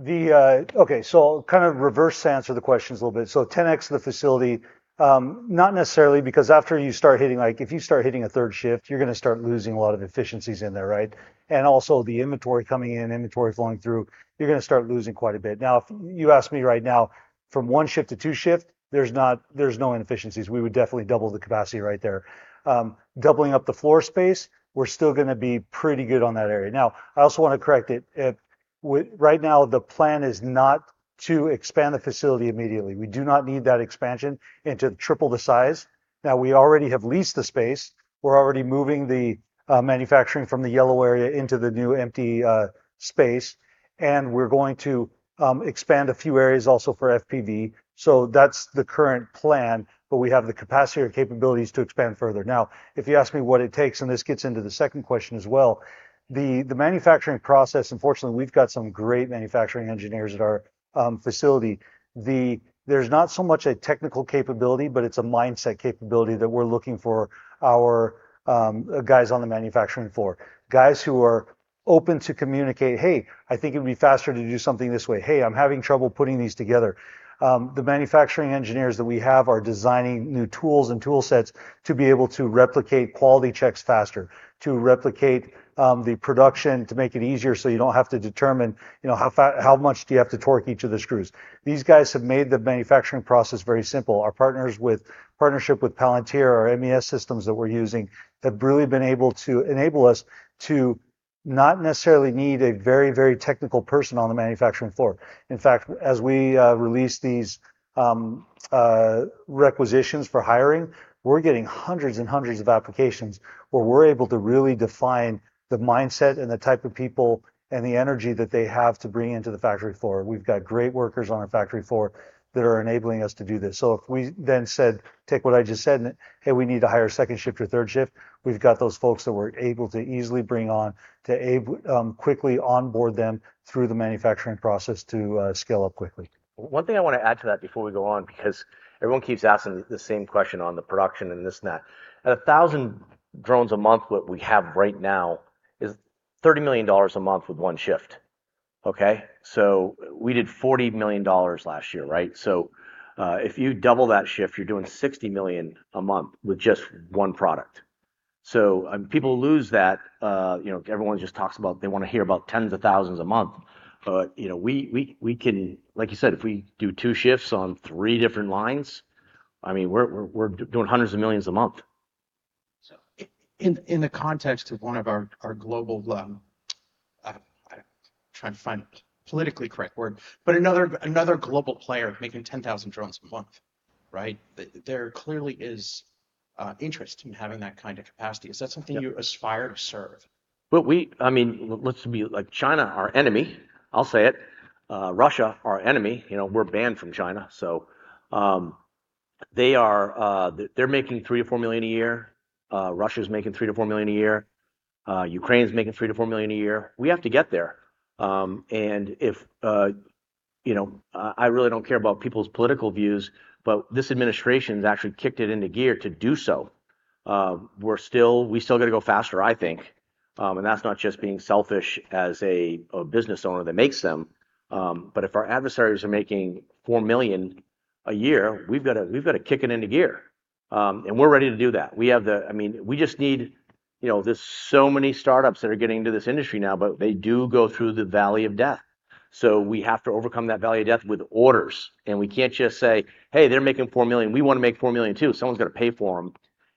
Speaker 3: Okay, I'll kind of reverse answer the questions a little bit. 10x the facility, not necessarily because after you start hitting, like, if you start hitting a third shift, you're going to start losing a lot of efficiencies in there, right? The inventory coming in, inventory flowing through, you're going to start losing quite a bit. If you ask me right now, from one shift to two shift, there's no inefficiencies. We would definitely double the capacity right there. Doubling up the floor space, we're still going to be pretty good on that area. I also want to correct it. Right now, the plan is not to expand the facility immediately. We do not need that expansion and to triple the size. We already have leased the space. We're already moving the manufacturing from the yellow area into the new empty space, we're going to expand a few areas also for FPV. That's the current plan, but we have the capacity or capabilities to expand further. If you ask me what it takes, and this gets into the second question as well, the manufacturing process, unfortunately, we've got some great manufacturing engineers at our facility. There's not so much a technical capability, but it's a mindset capability that we're looking for our guys on the manufacturing floor. Guys who are open to communicate, "Hey, I think it would be faster to do something this way. Hey, I'm having trouble putting these together." The manufacturing engineers that we have are designing new tools and tool sets to be able to replicate quality checks faster, to replicate the production, to make it easier so you don't have to determine, you know, how much do you have to torque each of the screws. These guys have made the manufacturing process very simple. Our partnership with Palantir, our MES systems that we're using, have really been able to enable us to not necessarily need a very, very technical person on the manufacturing floor. In fact, as we release these requisitions for hiring, we're getting hundreds and hundreds of applications, where we're able to really define the mindset and the type of people and the energy that they have to bring into the factory floor. We've got great workers on our factory floor that are enabling us to do this. If we then said, take what I just said, and, "Hey, we need to hire second shift or third shift," we've got those folks that we're able to easily bring on, to quickly onboard them through the manufacturing process to scale up quickly.
Speaker 2: One thing I want to add to that before we go on, because everyone keeps asking the same question on the production and this and that. At 1,000 drones a month, what we have right now, is $30 million a month with one shift. Okay? We did $40 million last year, right? If you double that shift, you're doing $60 million a month with just one product. People lose that, you know, everyone just talks about they wanna hear about tens of thousands a month. You know, we can. Like you said, if we do two shifts on three different lines, I mean, we're doing hundreds of millions a month.
Speaker 14: In the context of one of our global trying to find the politically correct word, but another global player making 10,000 drones a month, right? There clearly is interest in having that kind of capacity. Is that something-
Speaker 2: Yep.
Speaker 14: ...you aspire to serve?
Speaker 2: Well, I mean, let's be like China, our enemy. I'll say it. Russia, our enemy. You know, we're banned from China, so, they are, they're making $3 million-$4 million a year. Russia's making $3 million-$4 million a year. Ukraine's making $3 million-$4 million a year. We have to get there. And if, you know, I really don't care about people's political views, but this administration's actually kicked it into gear to do so. We still gotta go faster, I think. And that's not just being selfish as a business owner that makes them, but if our adversaries are making $4 million a year, we've gotta kick it into gear. And we're ready to do that. We have. I mean, we just need... You know, there's so many start-ups that are getting into this industry now, but they do go through the valley of death. We have to overcome that valley of death with orders, and we can't just say, "Hey, they're making $4 million. We want to make $4 million, too." Someone's gotta pay for 'em,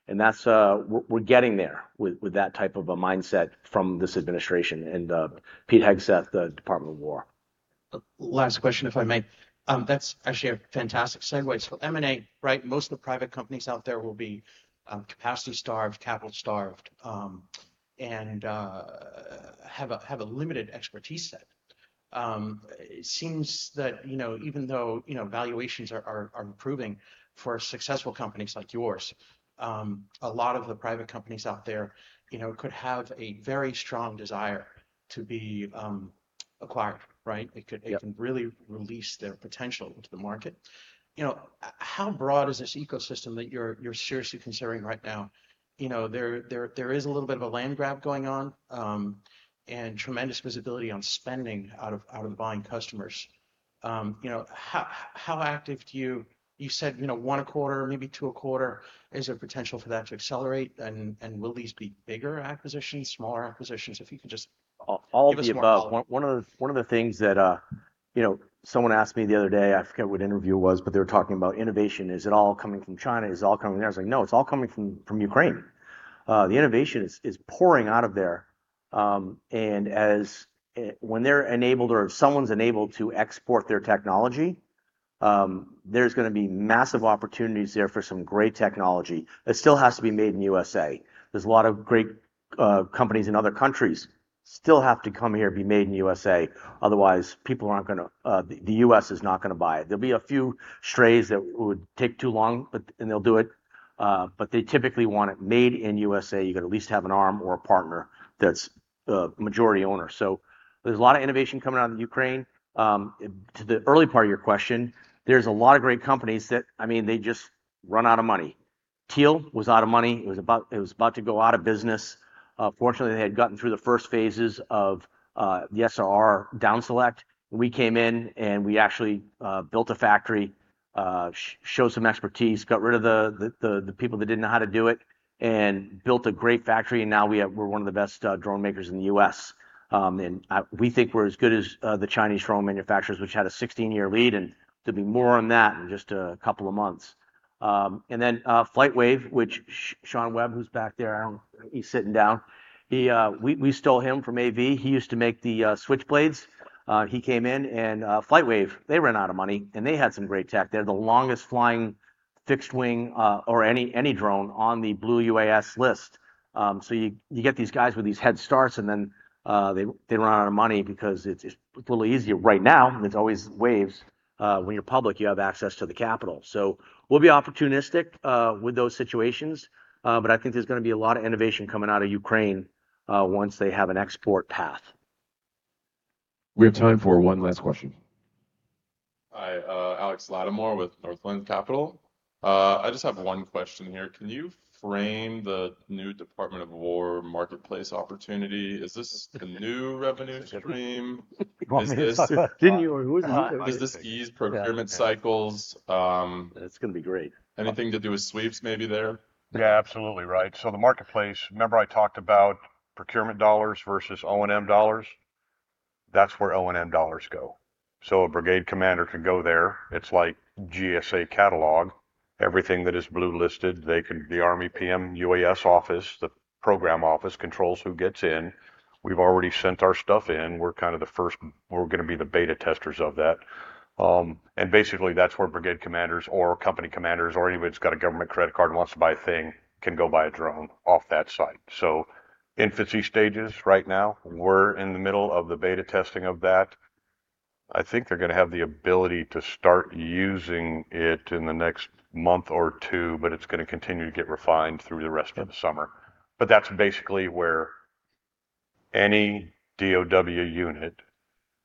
Speaker 2: and that's we're getting there with that type of a mindset from this administration and Pete Hegseth, the Department of Defense.
Speaker 14: Last question, if I may. That's actually a fantastic segue. M&A, right? Most of the private companies out there will be capacity-starved, capital-starved, and have a limited expertise set. It seems that, you know, even though, you know, valuations are improving for successful companies like yours, a lot of the private companies out there, you know, could have a very strong desire to be acquired, right?
Speaker 2: Yep.
Speaker 14: it can really release their potential into the market. You know, how broad is this ecosystem that you're seriously considering right now? You know, there is a little bit of a land grab going on, and tremendous visibility on spending out of the buying customers. You know, how active do you? You said, you know, one a quarter, maybe two a quarter. Is there potential for that to accelerate, and will these be bigger acquisitions, smaller acquisitions? If you could just-
Speaker 2: All of the above....
Speaker 14: give us more color?
Speaker 2: One of the things that, you know, someone asked me the other day, I forget what interview it was, but they were talking about innovation. Is it all coming from China? Is it all coming there? I was like, "No, it's all coming from Ukraine." The innovation is pouring out of there. And as when they're enabled or if someone's enabled to export their technology, there's gonna be massive opportunities there for some great technology. It still has to be made in U.S.A.. There's a lot of great companies in other countries, still have to come here, be made in U.S.A.. Otherwise, people aren't gonna, the U.S. is not gonna buy it. There'll be a few strays that would take too long, but, and they'll do it, but they typically want it made in U.S.A.. You've gotta at least have an arm or a partner that's a majority owner. There's a lot of innovation coming out of Ukraine. To the early part of your question, there's a lot of great companies that, I mean, they just run out of money. Teal was out of money. It was about to go out of business. Fortunately, they had gotten through the first phases of the SRR down select. We came in, and we actually built a factory, showed some expertise, got rid of the people that didn't know how to do it, and built a great factory. Now we're one of the best drone makers in the U.S.. We think we're as good as the Chinese drone manufacturers, which had a 16-year lead, and there'll be more on that in just a couple of months. Then FlightWave, which Shawn Webb, who's back there, he's sitting down, we stole him from AV. He used to make the Switchblade. He came in, and FlightWave, they ran out of money, and they had some great tech. They had the longest flying fixed wing, or any drone on the Blue UAS Cleared List. So you get these guys with these head starts, and then they run out of money because it's a little easier right now, and there's always waves. When you're public, you have access to the capital. We'll be opportunistic with those situations, but I think there's gonna be a lot of innovation coming out of Ukraine once they have an export path.
Speaker 1: We have time for one last question.
Speaker 15: Hi, Alex Latimore with Northland Capital. I just have one question here. Can you frame the new Department of War marketplace opportunity? Is this a new revenue stream?
Speaker 2: You want me to.
Speaker 5: Can you or-
Speaker 15: Does this ease procurement cycles?
Speaker 2: It's gonna be great.
Speaker 15: Anything to do with sweeps, maybe there?
Speaker 4: Yeah, absolutely right. The marketplace, remember I talked about procurement dollars versus O&M dollars? That's where O&M dollars go. A brigade commander can go there. It's like GSA catalog. Everything that is Blue UAS Cleared List, they can, the Army PMUAS office, the program office, controls who gets in. We've already sent our stuff in. We're kind of the first. We're gonna be the beta testers of that. Basically, that's where brigade commanders or company commanders or anybody who's got a government credit card and wants to buy a thing, can go buy a drone off that site. Infancy stages right now, we're in the middle of the beta testing of that. I think they're gonna have the ability to start using it in the next month or two, but it's gonna continue to get refined through the rest of the summer. That's basically where any DOW unit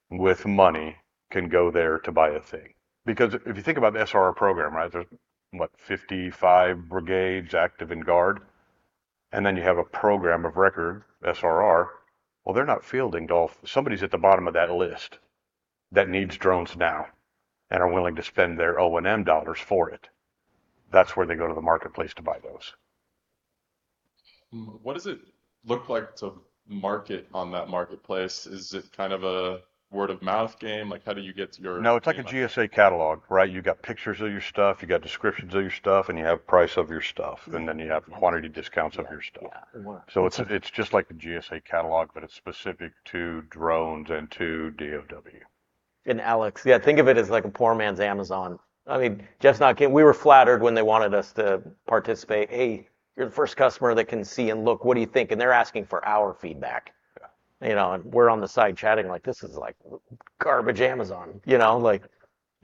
Speaker 4: with money can go there to buy a thing. If you think about the SRR program, right, there's, what, 55 brigades active in Guard, and then you have a program of record, SRR. They're not fielding golf. Somebody's at the bottom of that list that needs drones now and are willing to spend their O&M dollars for it. That's where they go to the marketplace to buy those.
Speaker 15: What does it look like to market on that marketplace? Is it kind of a word-of-mouth game? Like, how do you get?
Speaker 4: No, it's like a GSA catalog, right? You got pictures of your stuff, you got descriptions of your stuff, and you have price of your stuff, and then you have quantity discounts of your stuff.
Speaker 15: Yeah.
Speaker 4: It's just like a GSA catalog, but it's specific to drones and to DOW. ...
Speaker 6: and Alex. Yeah, think of it as like a poor man's Amazon. I mean, we were flattered when they wanted us to participate. "Hey, you're the first customer that can see and look, what do you think?" They're asking for our feedback.
Speaker 2: Yeah.
Speaker 6: You know, and we're on the side chatting like, "This is like garbage Amazon." You know, like,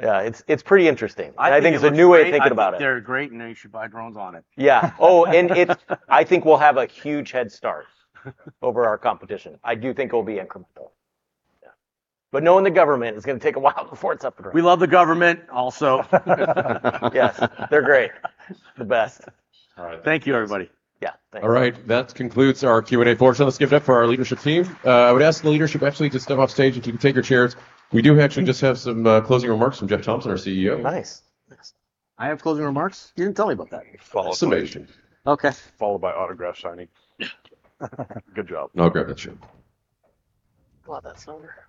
Speaker 6: yeah, it's pretty interesting.
Speaker 2: I think.
Speaker 6: I think it's a new way of thinking about it.
Speaker 2: I think they're great, and you should buy drones on it.
Speaker 6: Yeah. I think we'll have a huge head start over our competition. I do think it'll be incremental.
Speaker 2: Yeah.
Speaker 6: Knowing the government, it's gonna take a while before it's up and running.
Speaker 2: We love the government also.
Speaker 6: Yes, they're great. The best.
Speaker 1: All right.
Speaker 2: Thank you, everybody.
Speaker 6: Yeah, thanks.
Speaker 1: All right, that concludes our Q&A portion. Let's give it up for our leadership team. I would ask the leadership actually to step up stage and you can take your chairs. We do actually just have some closing remarks from Jeff Thompson, our CEO.
Speaker 2: Nice. Nice. I have closing remarks? You didn't tell me about that.
Speaker 1: Awesome.
Speaker 2: Awesome.
Speaker 6: Okay.
Speaker 2: Followed by autograph signing. Good job.
Speaker 1: No, grab a chair.
Speaker 6: Glad that's over. Standing here.
Speaker 2: Thanks.
Speaker 6: Thanks, you too.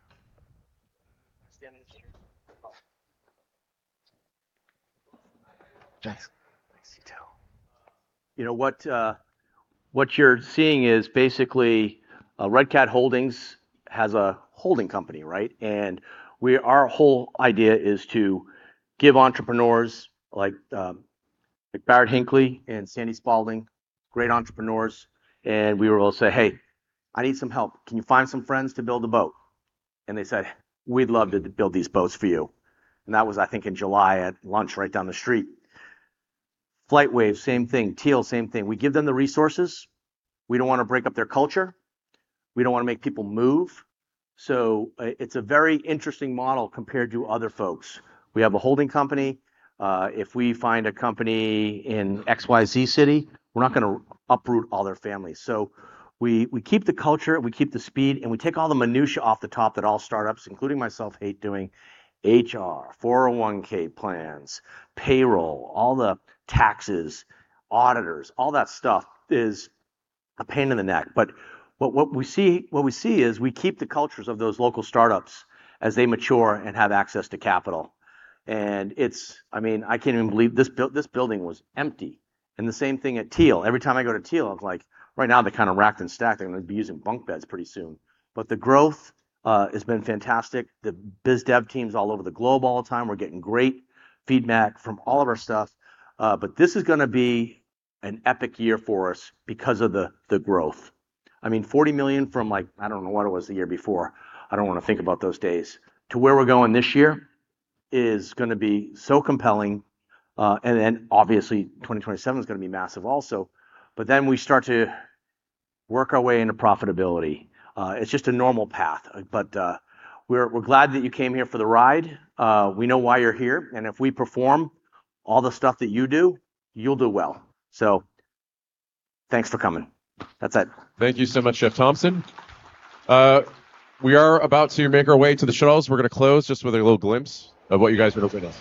Speaker 2: You know, what you're seeing is basically Red Cat Holdings has a holding company, right? Our whole idea is to give entrepreneurs like Barrett Hinckley and Sandy Spaulding, great entrepreneurs, we will say, "Hey, I need some help. Can you find some friends to build a boat?" They said, "We'd love to build these boats for you." That was, I think, in July at lunch, right down the street. FlightWave, same thing. Teal, same thing. We give them the resources. We don't want to break up their culture. We don't want to make people move. It's a very interesting model compared to other folks. We have a holding company. If we find a company in XYZ city, we're not gonna uproot all their families. We keep the culture, we keep the speed, and we take all the minutiae off the top that all startups, including myself, hate doing. HR, 401 plans, payroll, all the taxes, auditors, all that stuff is a pain in the neck. What we see is we keep the cultures of those local startups as they mature and have access to capital. I mean, I can't even believe this building was empty. The same thing at Teal. Every time I go to Teal, I'm like, right now, they're kind of racked and stacked. They're gonna be using bunk beds pretty soon. The growth has been fantastic. The biz dev team's all over the globe all the time. We're getting great feedback from all of our stuff. This is gonna be an epic year for us because of the growth. I mean, $40 million from like, I don't know what it was the year before, I don't want to think about those days, to where we're going this year, is gonna be so compelling. Obviously, 2027 is gonna be massive also. We start to work our way into profitability. It's just a normal path, but we're glad that you came here for the ride. We know why you're here, if we perform all the stuff that you do, you'll do well. Thanks for coming. That's it.
Speaker 1: Thank you so much, Jeff Thompson. We are about to make our way to the shuttles. We're gonna close just with a little glimpse of what you guys been working on.